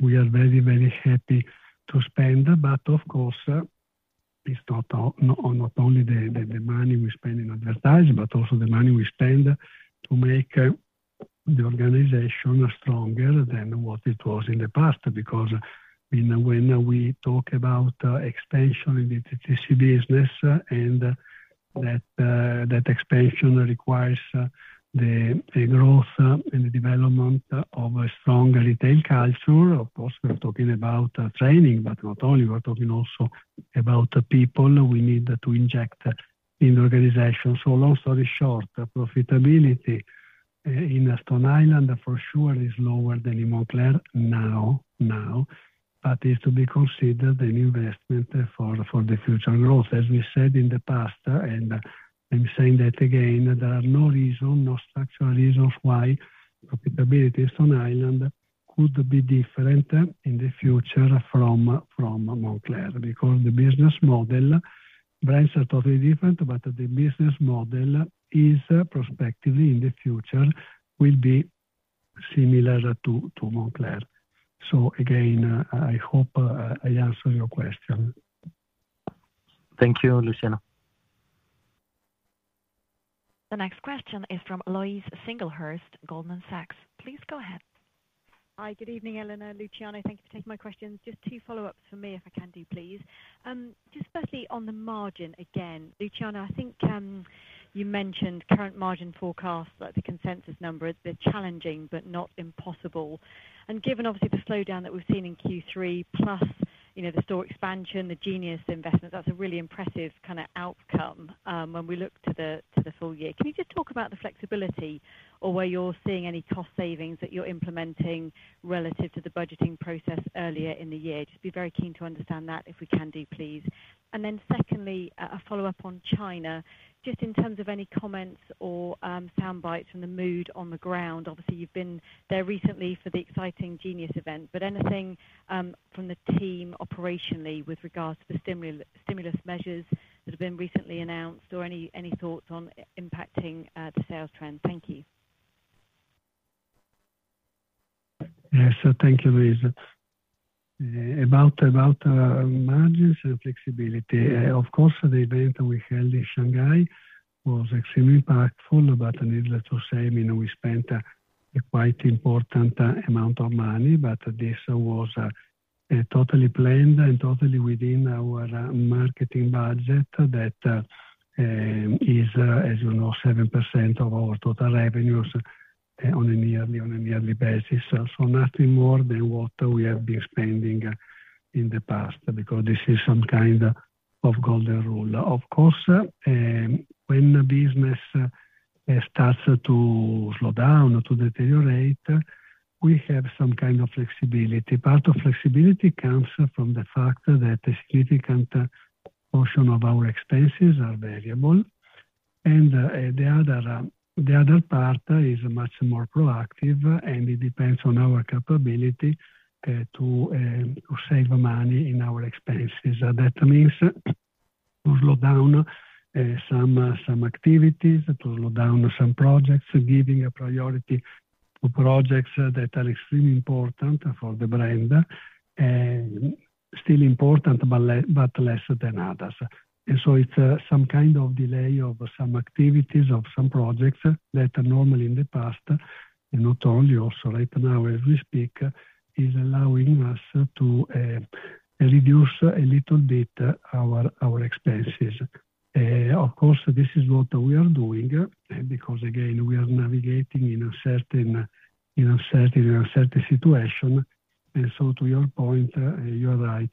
we are very, very happy to spend. But of course, it's not only the money we spend in advertising, but also the money we spend to make the organization stronger than what it was in the past. Because when we talk about expansion in the DTC business and that expansion requires the growth and the development of a strong retail culture, of course, we're talking about training, but not only. We're talking also about the people we need to inject in the organization. So long story short, profitability in Stone Island for sure is lower than in Moncler now, but it is to be considered an investment for the future growth. As we said in the past, and I'm saying that again, there are no reason, no structural reasons why profitability in Stone Island could be different in the future from Moncler. Because the business model, brands are totally different, but the business model is prospectively in the future will be similar to Moncler. So again, I hope I answered your question. Thank you, Luciano. The next question is from Louise Singlehurst, Goldman Sachs. Please go ahead. Hi, good evening, Elena, Luciano. Thank you for taking my questions. Just two follow-ups for me, if I can do, please. Just firstly, on the margin again, Luciano, I think you mentioned current margin forecasts, the consensus number, they're challenging, but not impossible. And given, obviously, the slowdown that we've seen in Q3, plus the store expansion, the genius investments, that's a really impressive kind of outcome when we look to the full year. Can you just talk about the flexibility or where you're seeing any cost savings that you're implementing relative to the budgeting process earlier in the year? Just be very keen to understand that, if we can do, please. And then secondly, a follow-up on China, just in terms of any comments or soundbites from the mood on the ground. Obviously, you've been there recently for the exciting genius event, but anything from the team operationally with regards to the stimulus measures that have been recently announced or any thoughts on impacting the sales trend? Thank you. Yes. Thank you, Louise. About margins and flexibility. Of course, the event we held in Shanghai was extremely impactful, but needless to say, we spent a quite important amount of money, but this was totally planned and totally within our marketing budget that is, as you know, 7% of our total revenues on a yearly basis, so nothing more than what we have been spending in the past because this is some kind of golden rule. Of course, when business starts to slow down or to deteriorate, we have some kind of flexibility. Part of flexibility comes from the fact that a significant portion of our expenses are variable, and the other part is much more proactive, and it depends on our capability to save money in our expenses. That means to slow down some activities, to slow down some projects, giving a priority to projects that are extremely important for the brand, still important, but less than others. And so it's some kind of delay of some activities, of some projects that normally in the past, and not only also right now as we speak, is allowing us to reduce a little bit our expenses. Of course, this is what we are doing because, again, we are navigating in a certain situation. And so to your point, you are right.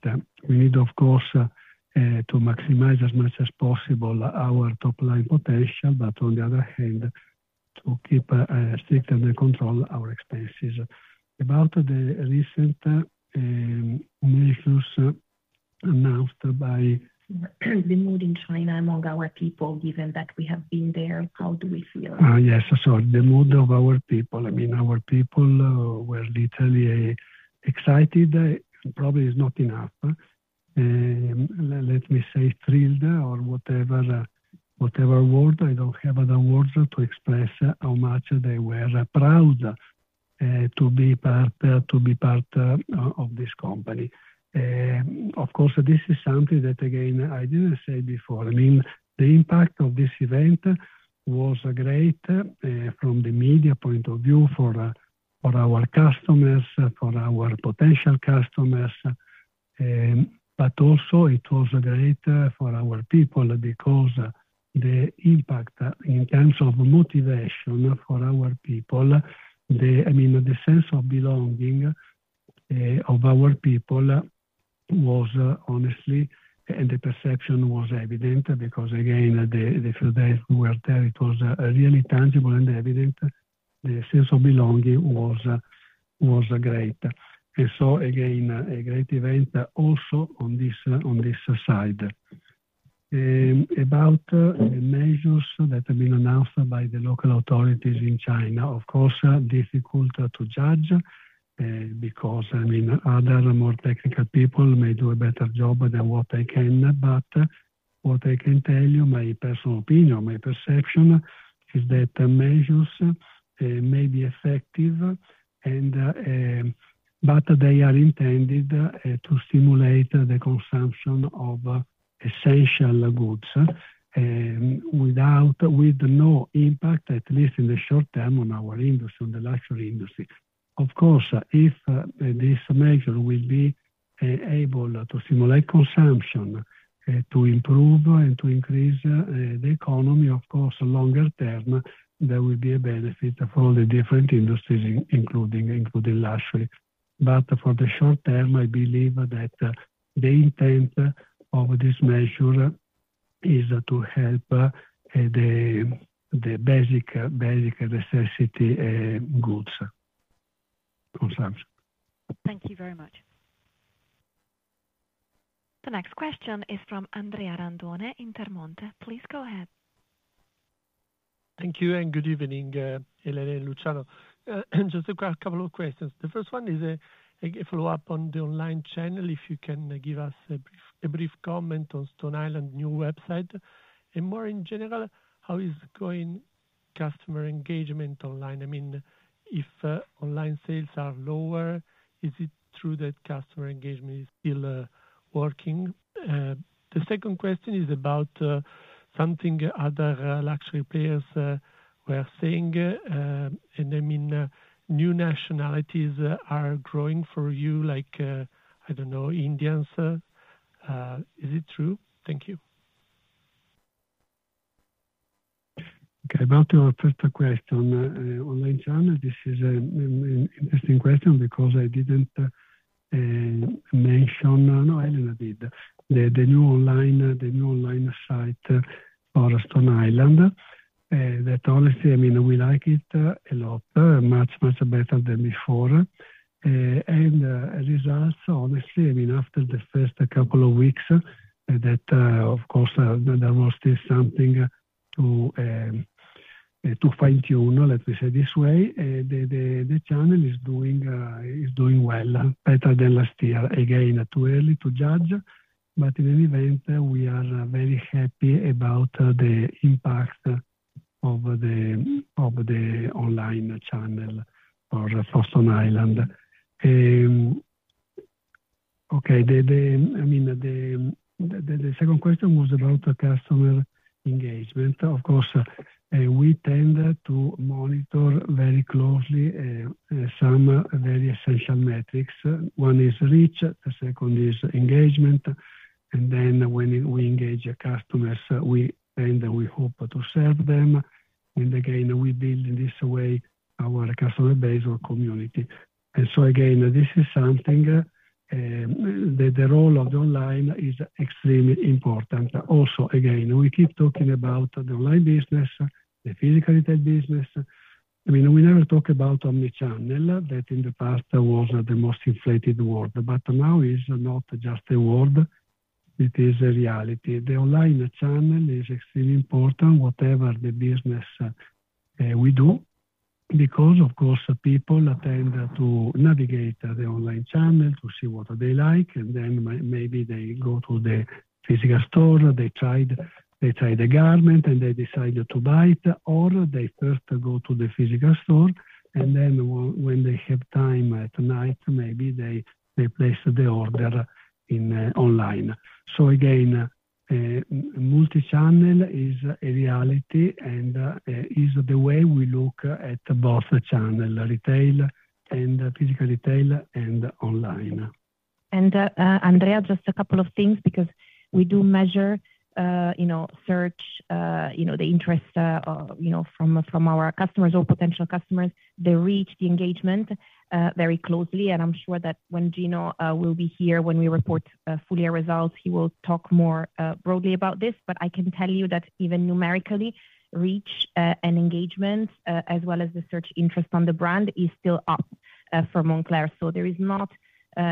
We need, of course, to maximize as much as possible our top-line potential, but on the other hand, to keep strict and control our expenses. About the recent measures announced by. The mood in China among our people, given that we have been there, how do we feel? Yes, so the mood of our people, I mean, our people were literally excited. Probably it's not enough. Let me say thrilled or whatever word. I don't have other words to express how much they were proud to be part of this company. Of course, this is something that, again, I didn't say before. I mean, the impact of this event was great from the media point of view for our customers, for our potential customers. But also, it was great for our people because the impact in terms of motivation for our people, I mean, the sense of belonging of our people was honestly, and the perception was evident because, again, the few days we were there, it was really tangible and evident. The sense of belonging was great, and so, again, a great event also on this side. About the measures that have been announced by the local authorities in China, of course, difficult to judge because, I mean, other more technical people may do a better job than what I can. But what I can tell you, my personal opinion, my perception is that measures may be effective, but they are intended to stimulate the consumption of essential goods with no impact, at least in the short term, on our industry, on the luxury industry. Of course, if this measure will be able to stimulate consumption, to improve and to increase the economy, of course, longer term, there will be a benefit for the different industries, including luxury. But for the short term, I believe that the intent of this measure is to help the basic necessity goods consumption. Thank you very much. The next question is from Andrea Randone, Intermonte. Please go ahead. Thank you and good evening, Elena and Luciano. Just a couple of questions. The first one is a follow-up on the online channel. If you can give us a brief comment on Stone Island new website and more in general, how is going customer engagement online? I mean, if online sales are lower, is it true that customer engagement is still working? The second question is about something other luxury players were saying. And I mean, new nationalities are growing for you, like, I don't know, Indians. Is it true? Thank you. Okay. About our first question, online channel, this is an interesting question because I didn't mention no, Elena did. The new online site for Stone Island, that honestly, I mean, we like it a lot, much, much better than before. And results, honestly, I mean, after the first couple of weeks, that of course, there was still something to fine-tune, let me say this way. The channel is doing well, better than last year. Again, too early to judge, but in any event, we are very happy about the impact of the online channel for Stone Island. Okay. I mean, the second question was about customer engagement. Of course, we tend to monitor very closely some very essential metrics. One is reach, the second is engagement. And then when we engage customers, we tend, we hope to serve them. And again, we build in this way our customer base or community. And so again, this is something that the role of the online is extremely important. Also, again, we keep talking about the online business, the physical retail business. I mean, we never talk about omni-channel that in the past was the most inflated word, but now is not just a word. It is a reality. The online channel is extremely important, whatever the business we do, because, of course, people tend to navigate the online channel to see what they like, and then maybe they go to the physical store, they try the garment, and they decide to buy it, or they first go to the physical store, and then when they have time at night, maybe they place the order online. So again, multi-channel is a reality and is the way we look at both channel, retail and physical retail and online. And Andrea, just a couple of things because we do measure search, the interest from our customers or potential customers, the reach, the engagement very closely. And I'm sure that when Gino will be here, when we report full-year results, he will talk more broadly about this. But I can tell you that even numerically, reach and engagement as well as the search interest on the brand is still up for Moncler. So there is not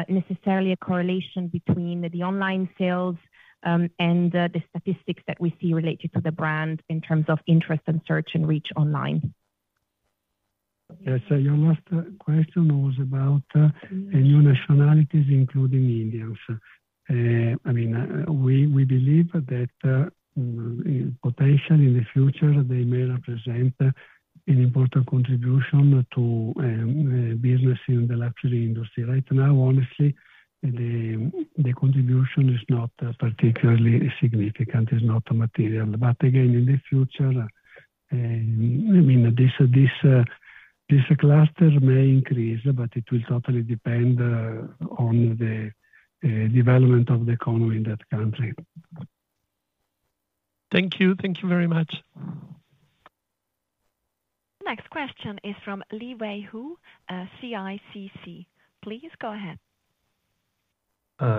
necessarily a correlation between the online sales and the statistics that we see related to the brand in terms of interest and search and reach online. Yes. Your last question was about new nationalities, including Indians. I mean, we believe that potentially in the future, they may represent an important contribution to business in the luxury industry. Right now, honestly, the contribution is not particularly significant, is not material. But again, in the future, I mean, this cluster may increase, but it will totally depend on the development of the economy in that country. Thank you. Thank you very much. The next question is from Liwei Hou, CICC. Please go ahead.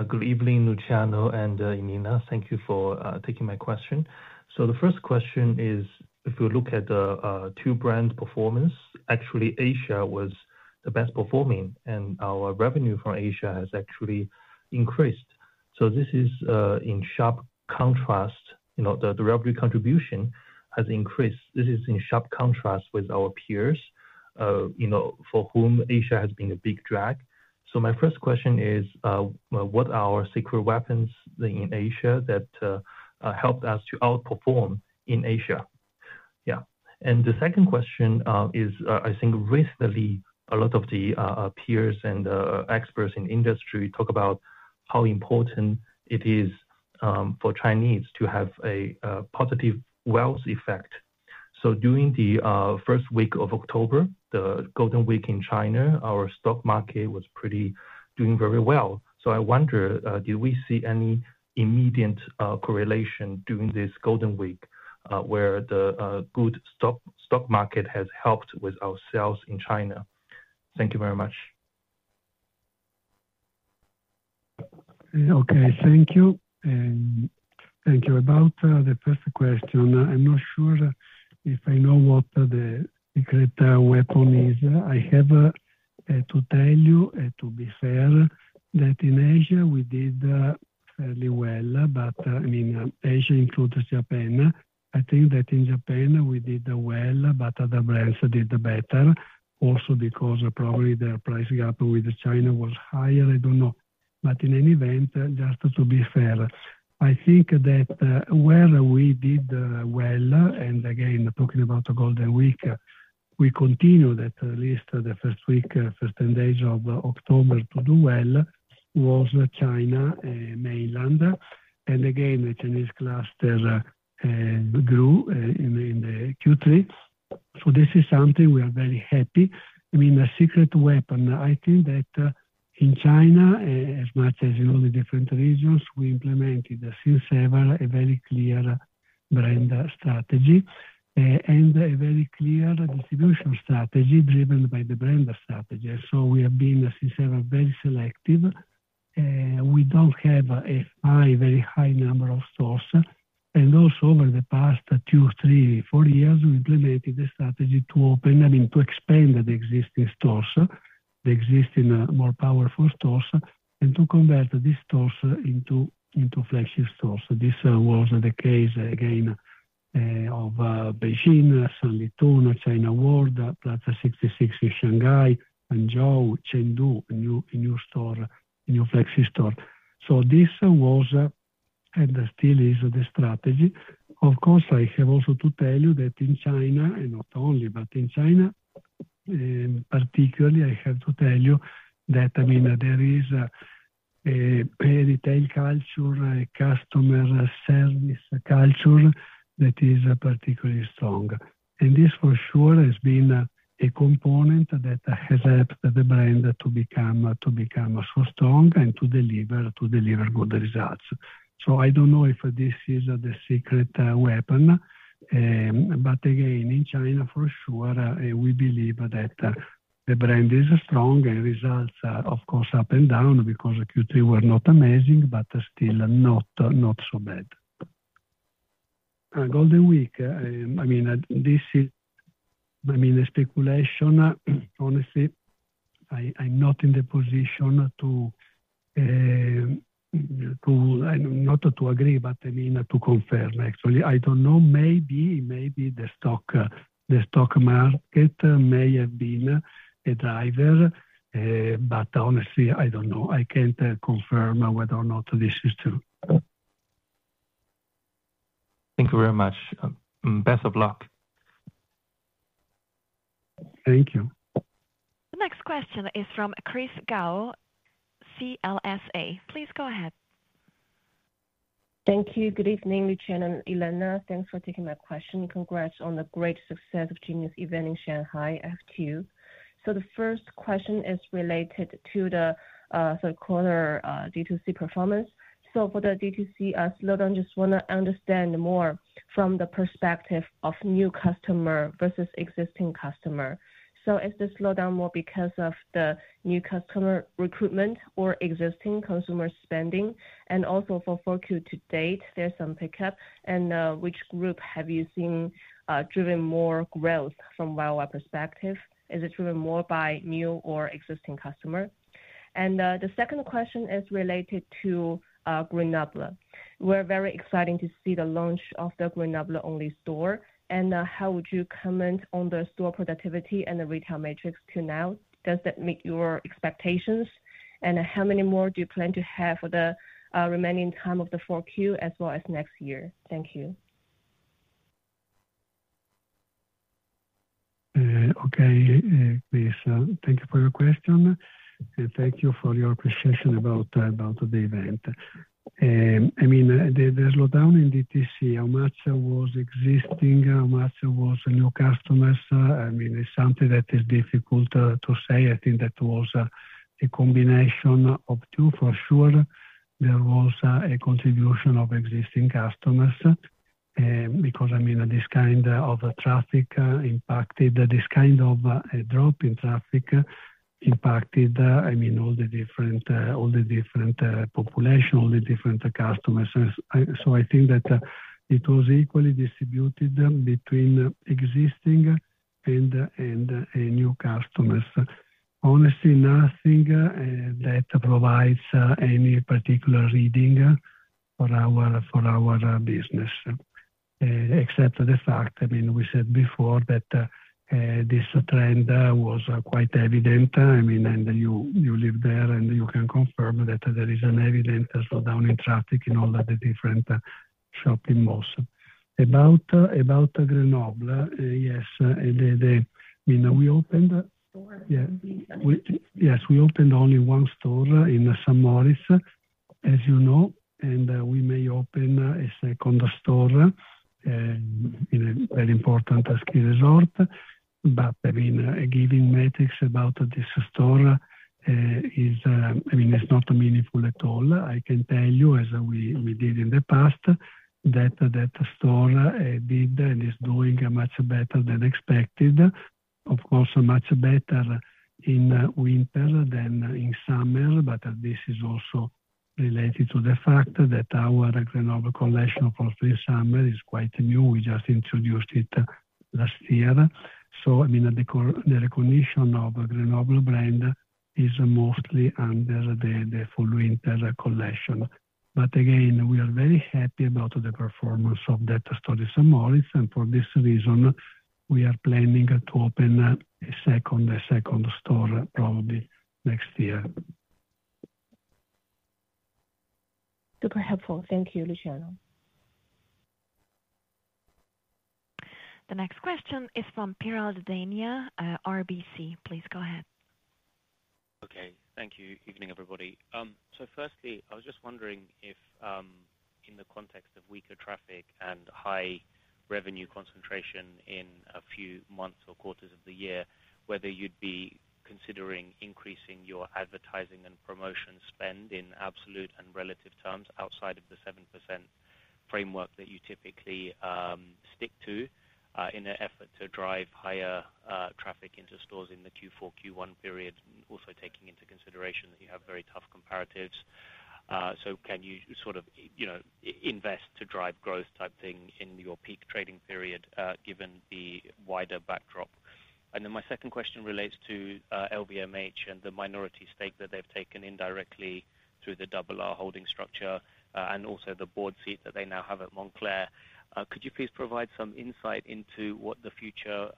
Good evening, Luciano and Elena. Thank you for taking my question. So the first question is, if we look at the two-brand performance, actually, Asia was the best performing, and our revenue from Asia has actually increased. So this is in sharp contrast. The revenue contribution has increased. This is in sharp contrast with our peers for whom Asia has been a big drag. So my first question is, what are our secret weapons in Asia that helped us to outperform in Asia? Yeah. And the second question is, I think recently, a lot of the peers and experts in the industry talk about how important it is for Chinese to have a positive wealth effect. So during the first week of October, the Golden Week in China, our stock market was doing very well. I wonder, do we see any immediate correlation during this Golden Week where the good stock market has helped with our sales in China? Thank you very much. Okay. Thank you and thank you. About the first question, I'm not sure if I know what the secret weapon is. I have to tell you, to be fair, that in Asia, we did fairly well, but I mean, Asia includes Japan. I think that in Japan, we did well, but other brands did better also because probably their price gap with China was higher. I don't know. But in any event, just to be fair, I think that where we did well, and again, talking about the Golden Week, we continued at least the first week, first 10 days of October to do well was China mainland. And again, the Chinese cluster grew in the Q3. So this is something we are very happy. I mean, a secret weapon, I think that in China, as much as in all the different regions, we implemented since ever a very clear brand strategy and a very clear distribution strategy driven by the brand strategy. So we have been since ever very selective. We don't have a very high number of stores. And also, over the past two, three, four years, we implemented the strategy to open, I mean, to expand the existing stores, the existing more powerful stores, and to convert these stores into flagship stores. This was the case, again, of Beijing, Sanlitun, China World, Plaza 66 in Shanghai, and in Chengdu, a new store, a new flagship store. So this was and still is the strategy. Of course, I have also to tell you that in China, and not only, but in China, particularly, I have to tell you that, I mean, there is a retail culture, customer service culture that is particularly strong. And this for sure has been a component that has helped the brand to become so strong and to deliver good results. So I don't know if this is the secret weapon, but again, in China, for sure, we believe that the brand is strong and results, of course, up and down because Q3 were not amazing, but still not so bad. Golden Week, I mean, this is, I mean, a speculation. Honestly, I'm not in the position to not agree, but I mean, to confirm, actually. I don't know. Maybe the stock market may have been a driver, but honestly, I don't know. I can't confirm whether or not this is true. Thank you very much. Best of luck. Thank you. The next question is from Chris Gao, CLSA. Please go ahead. Thank you. Good evening, Luciano and Elena. Thanks for taking my question. Congrats on the great success of the Genius Event in Shanghai. I have two. So the first question is related to the third-quarter D2C performance. So for the D2C slowdown, just want to understand more from the perspective of new customer versus existing customer. So is the slowdown more because of the new customer recruitment or existing consumer spending? And also, for Q2 data, there's some pickup. And which group have you seen driven more growth from value perspective? Is it driven more by new or existing customer? And the second question is related to Grenoble. We're very excited to see the launch of the Grenoble-only store. And how would you comment on the store productivity and the retail metrics to date? Does that meet your expectations? How many more do you plan to have for the remaining time of the Q4 as well as next year? Thank you. Okay. Thank you for your question. And thank you for your appreciation about the event. I mean, the slowdown in D2C, how much was existing, how much was new customers? I mean, it's something that is difficult to say. I think that was a combination of two, for sure. There was a contribution of existing customers because, I mean, this kind of drop in traffic impacted, I mean, all the different population, all the different customers. So I think that it was equally distributed between existing and new customers. Honestly, nothing that provides any particular reading for our business, except the fact, I mean, we said before that this trend was quite evident. I mean, and you live there and you can confirm that there is an evident slowdown in traffic in all the different shopping malls. About Grenoble, yes. I mean, we opened only one store in Saint Moritz, as you know, and we may open a second store in a very important ski resort. But I mean, giving metrics about this store is, I mean, it's not meaningful at all. I can tell you, as we did in the past, that that store did and is doing much better than expected. Of course, much better in winter than in summer. But this is also related to the fact that our Grenoble collection, of course, in summer is quite new. We just introduced it last year. So I mean, the recognition of Grenoble brand is mostly under the Fall/Winter collection. But again, we are very happy about the performance of that store in Saint Moritz. And for this reason, we are planning to open a second store probably next year. Super helpful. Thank you, Luciano. The next question is from Piral Dadhania, RBC. Please go ahead. Okay. Thank you. Good evening, everybody. So firstly, I was just wondering if, in the context of weaker traffic and high revenue concentration in a few months or quarters of the year, whether you'd be considering increasing your advertising and promotion spend in absolute and relative terms outside of the 7% framework that you typically stick to in an effort to drive higher traffic into stores in the Q4, Q1 period, also taking into consideration that you have very tough comparatives? So can you sort of invest to drive growth type thing in your peak trading period given the wider backdrop? And then my second question relates to LVMH and the minority stake that they've taken indirectly through the Double R holding structure and also the board seat that they now have at Moncler. Could you please provide some insight into what the future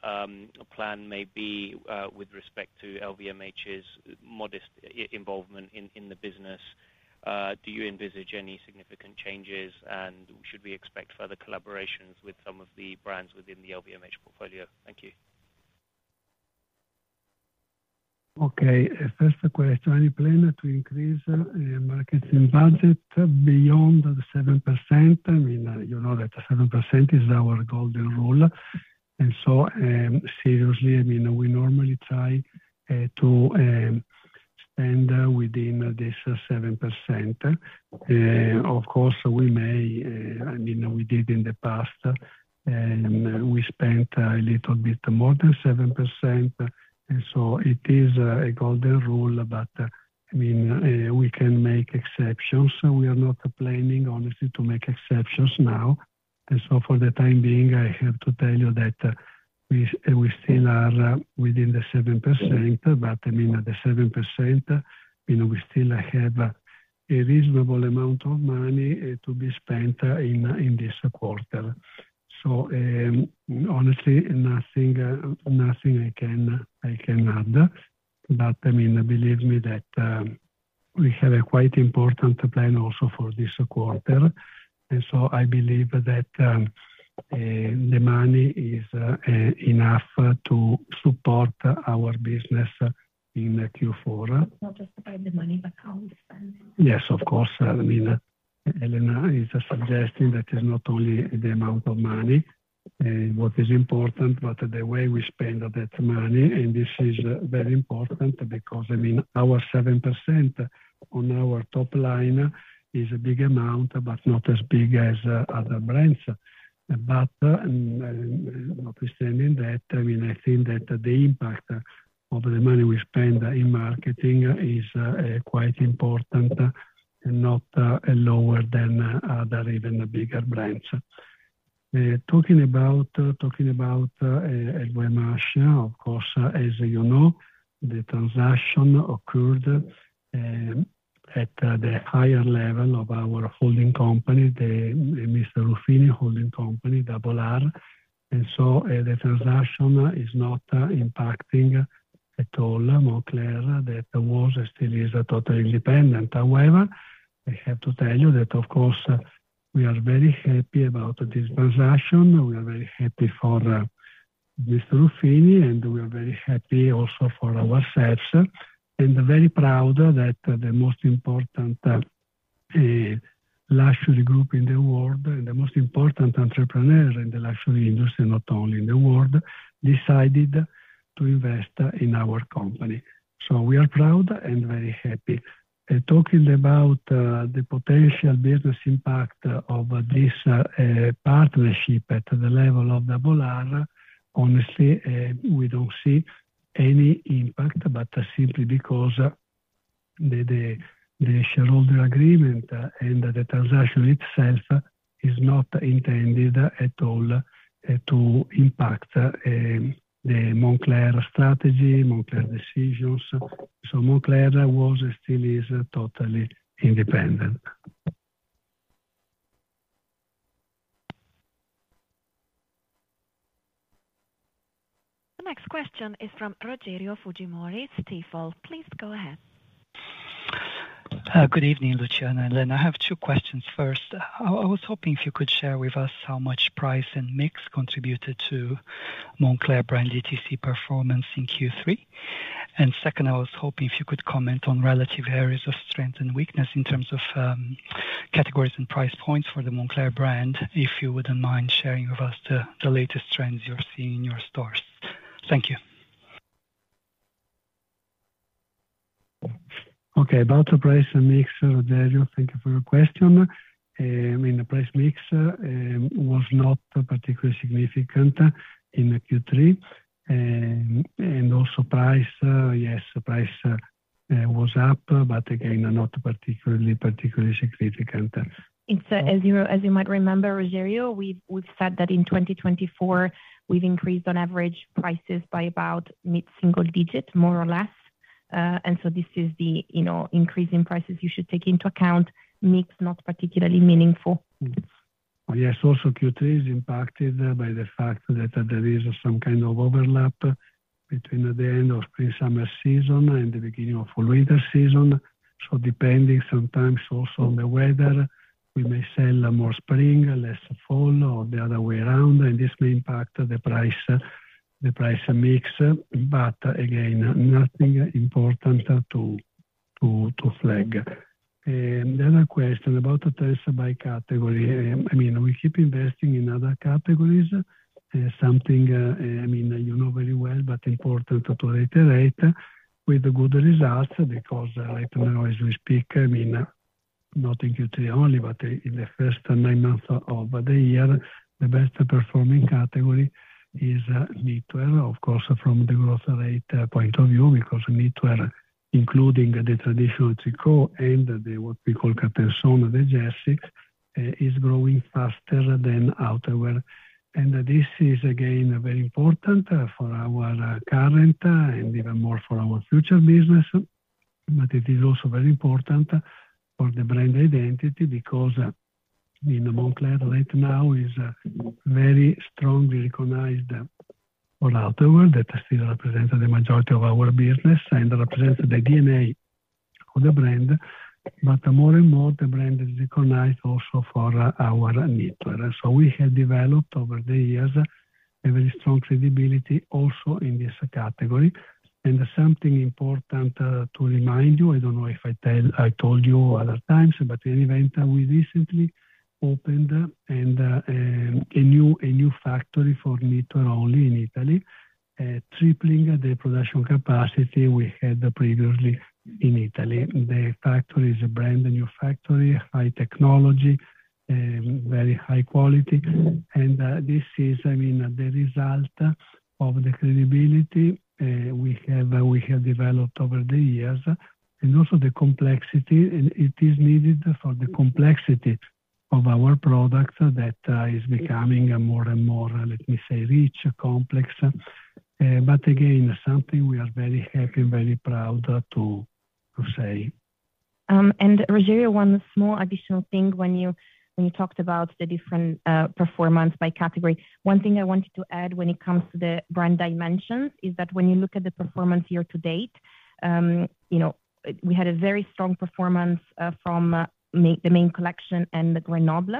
plan may be with respect to LVMH's modest involvement in the business? Do you envisage any significant changes, and should we expect further collaborations with some of the brands within the LVMH portfolio? Thank you. Okay. First question. Are you planning to increase marketing budget beyond the 7%? I mean, you know that 7% is our golden rule, and so seriously, I mean, we normally try to spend within this 7%. Of course, we may, I mean, we did in the past, and we spent a little bit more than 7%, and so it is a golden rule, but I mean, we can make exceptions. We are not planning, honestly, to make exceptions now, and so for the time being, I have to tell you that we still are within the 7%, but I mean, the 7%, I mean, we still have a reasonable amount of money to be spent in this quarter, so honestly, nothing I can add, but I mean, believe me that we have a quite important plan also for this quarter. I believe that the money is enough to support our business in Q4. Not just to find the money, but how we spend it. Yes, of course. I mean, Elena is suggesting that it's not only the amount of money what is important, but the way we spend that money. And this is very important because, I mean, our 7% on our top line is a big amount, but not as big as other brands. But notwithstanding that, I mean, I think that the impact of the money we spend in marketing is quite important and not lower than other even bigger brands. Talking about LVMH, of course, as you know, the transaction occurred at the higher level of our holding company, the Mr. Ruffini holding company, Double R. And so the transaction is not impacting at all Moncler, that the whole still is totally independent. However, I have to tell you that, of course, we are very happy about this transaction. We are very happy for Mr. Ruffini, and we are very happy also for ourselves and very proud that the most important luxury group in the world and the most important entrepreneur in the luxury industry, not only in the world, decided to invest in our company. So we are proud and very happy. Talking about the potential business impact of this partnership at the level of Double R, honestly, we don't see any impact, but simply because the shareholder agreement and the transaction itself is not intended at all to impact the Moncler strategy, Moncler decisions. So Moncler will still be totally independent. The next question is from Rogério Fujimori, Stifel. Please go ahead. Good evening, Luciano and Elena. I have two questions. First, I was hoping if you could share with us how much price and mix contributed to Moncler brand DTC performance in Q3, and second, I was hoping if you could comment on relative areas of strength and weakness in terms of categories and price points for the Moncler brand, if you wouldn't mind sharing with us the latest trends you're seeing in your stores. Thank you. Okay. About the price and mix, Rogério, thank you for your question. I mean, the price mix was not particularly significant in Q3. And also price, yes, price was up, but again, not particularly significant. It's, as you might remember, Rogério, we've said that in 2024, we've increased on average prices by about mid-single digit, more or less, and so this is the increase in prices you should take into account. Mix not particularly meaningful. Yes. Also, Q3 is impacted by the fact that there is some kind of overlap between the end of Spring/Summer season and the beginning of Fall/Winter season. So, depending sometimes also on the weather, we may sell more spring, less fall, or the other way around. And this may impact the price mix. But again, nothing important to flag. The other question about the transfer by category. I mean, we keep investing in other categories. Something, I mean, you know very well, but important to reiterate with good results because right now as we speak, I mean, not in Q3 only, but in the first nine months of the year, the best performing category is knitwear, of course, from the growth rate point of view because knitwear, including the traditional tricot and what we call cut and sew and the jersey, is growing faster than outerwear. And this is again very important for our current and even more for our future business. But it is also very important for the brand identity because Moncler right now is very strongly recognized for outerwear that still represents the majority of our business and represents the DNA of the brand. But more and more, the brand is recognized also for our knitwear. And so we have developed over the years a very strong credibility also in this category. And something important to remind you, I don't know if I told you other times, but in any event, we recently opened a new factory for knitwear only in Italy, tripling the production capacity we had previously in Italy. The factory is a brand new factory, high technology, very high quality. And this is, I mean, the result of the credibility we have developed over the years and also the complexity. It is needed for the complexity of our product that is becoming more and more, let me say, rich, complex. But again, something we are very happy and very proud to say. Rogerio, one small additional thing when you talked about the different performance by category. One thing I wanted to add when it comes to the brand dimensions is that when you look at the performance year to date, we had a very strong performance from the main collection and the Grenoble.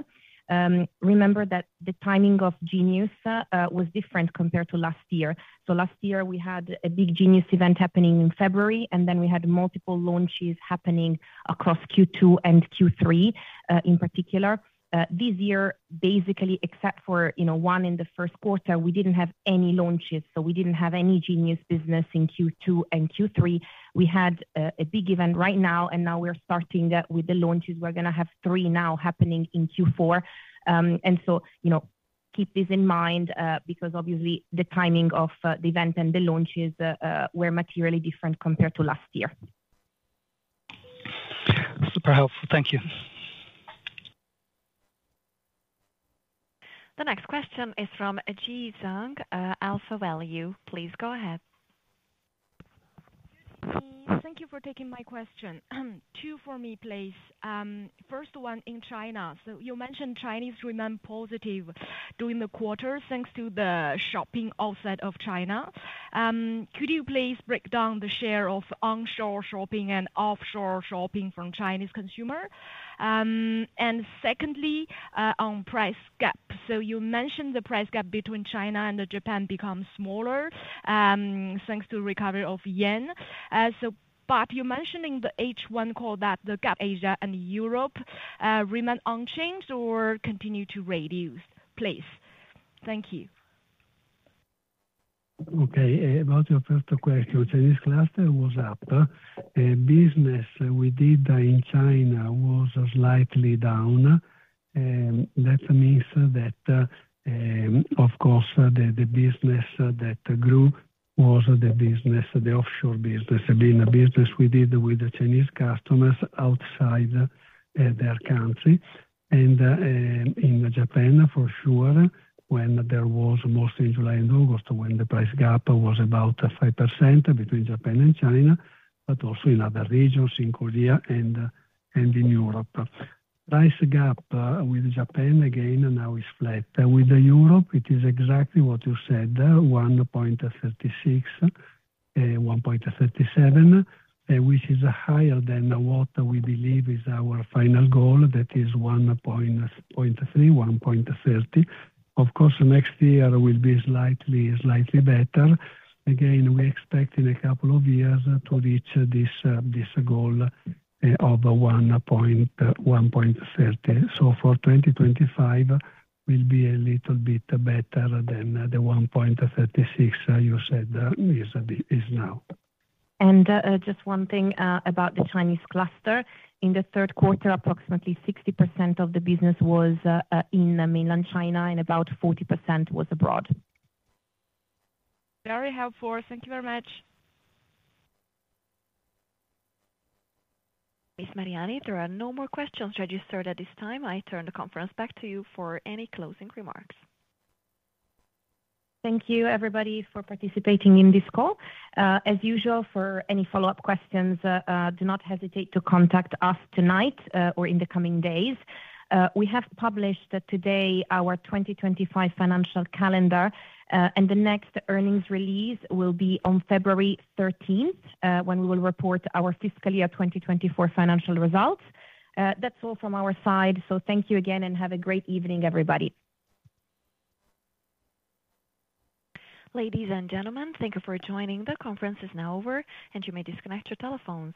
Remember that the timing of Genius was different compared to last year. So last year, we had a big Genius event happening in February, and then we had multiple launches happening across Q2 and Q3 in particular. This year, basically, except for one in the first quarter, we didn't have any launches. So we didn't have any Genius business in Q2 and Q3. We had a big event right now, and now we're starting with the launches. We're going to have three now happening in Q4. And so keep this in mind because obviously the timing of the event and the launches were materially different compared to last year. Super helpful. Thank you. The next question is from Jie Zhang, AlphaValue. Please go ahead. Thank you for taking my question. Two for me, please. First one in China. So you mentioned Chinese remain positive during the quarter thanks to the shopping offset of China. Could you please break down the share of onshore shopping and offshore shopping from Chinese consumer? And secondly, on price gap. So you mentioned the price gap between China and Japan becomes smaller thanks to recovery of yen. But you mentioned in the H1 call that the gap Asia and Europe remain unchanged or continue to reduce. Please. Thank you. Okay. About your first question. So this cluster was up. Business we did in China was slightly down. That means that, of course, the business that grew was the business, the offshore business, being a business we did with the Chinese customers outside their country. And in Japan, for sure, when there was mostly in July and August when the price gap was about 5% between Japan and China, but also in other regions, in Korea and in Europe. Price gap with Japan, again, now is flat. With Europe, it is exactly what you said, 1.36, 1.37, which is higher than what we believe is our final goal, that is 1.3, 1.30. Of course, next year will be slightly better. Again, we expect in a couple of years to reach this goal of 1.30. So for 2025, we'll be a little bit better than the 1.36 you said is now. Just one thing about the Chinese cluster. In the third quarter, approximately 60% of the business was in mainland China and about 40% was abroad. Very helpful. Thank you very much. Ms. Mariani, there are no more questions registered at this time. I turn the conference back to you for any closing remarks. Thank you, everybody, for participating in this call. As usual, for any follow-up questions, do not hesitate to contact us tonight or in the coming days. We have published today our 2025 financial calendar, and the next earnings release will be on February 13th when we will report our fiscal year 2024 financial results. That's all from our side. So thank you again and have a great evening, everybody. Ladies and gentlemen, thank you for joining. The conference is now over, and you may disconnect your telephones.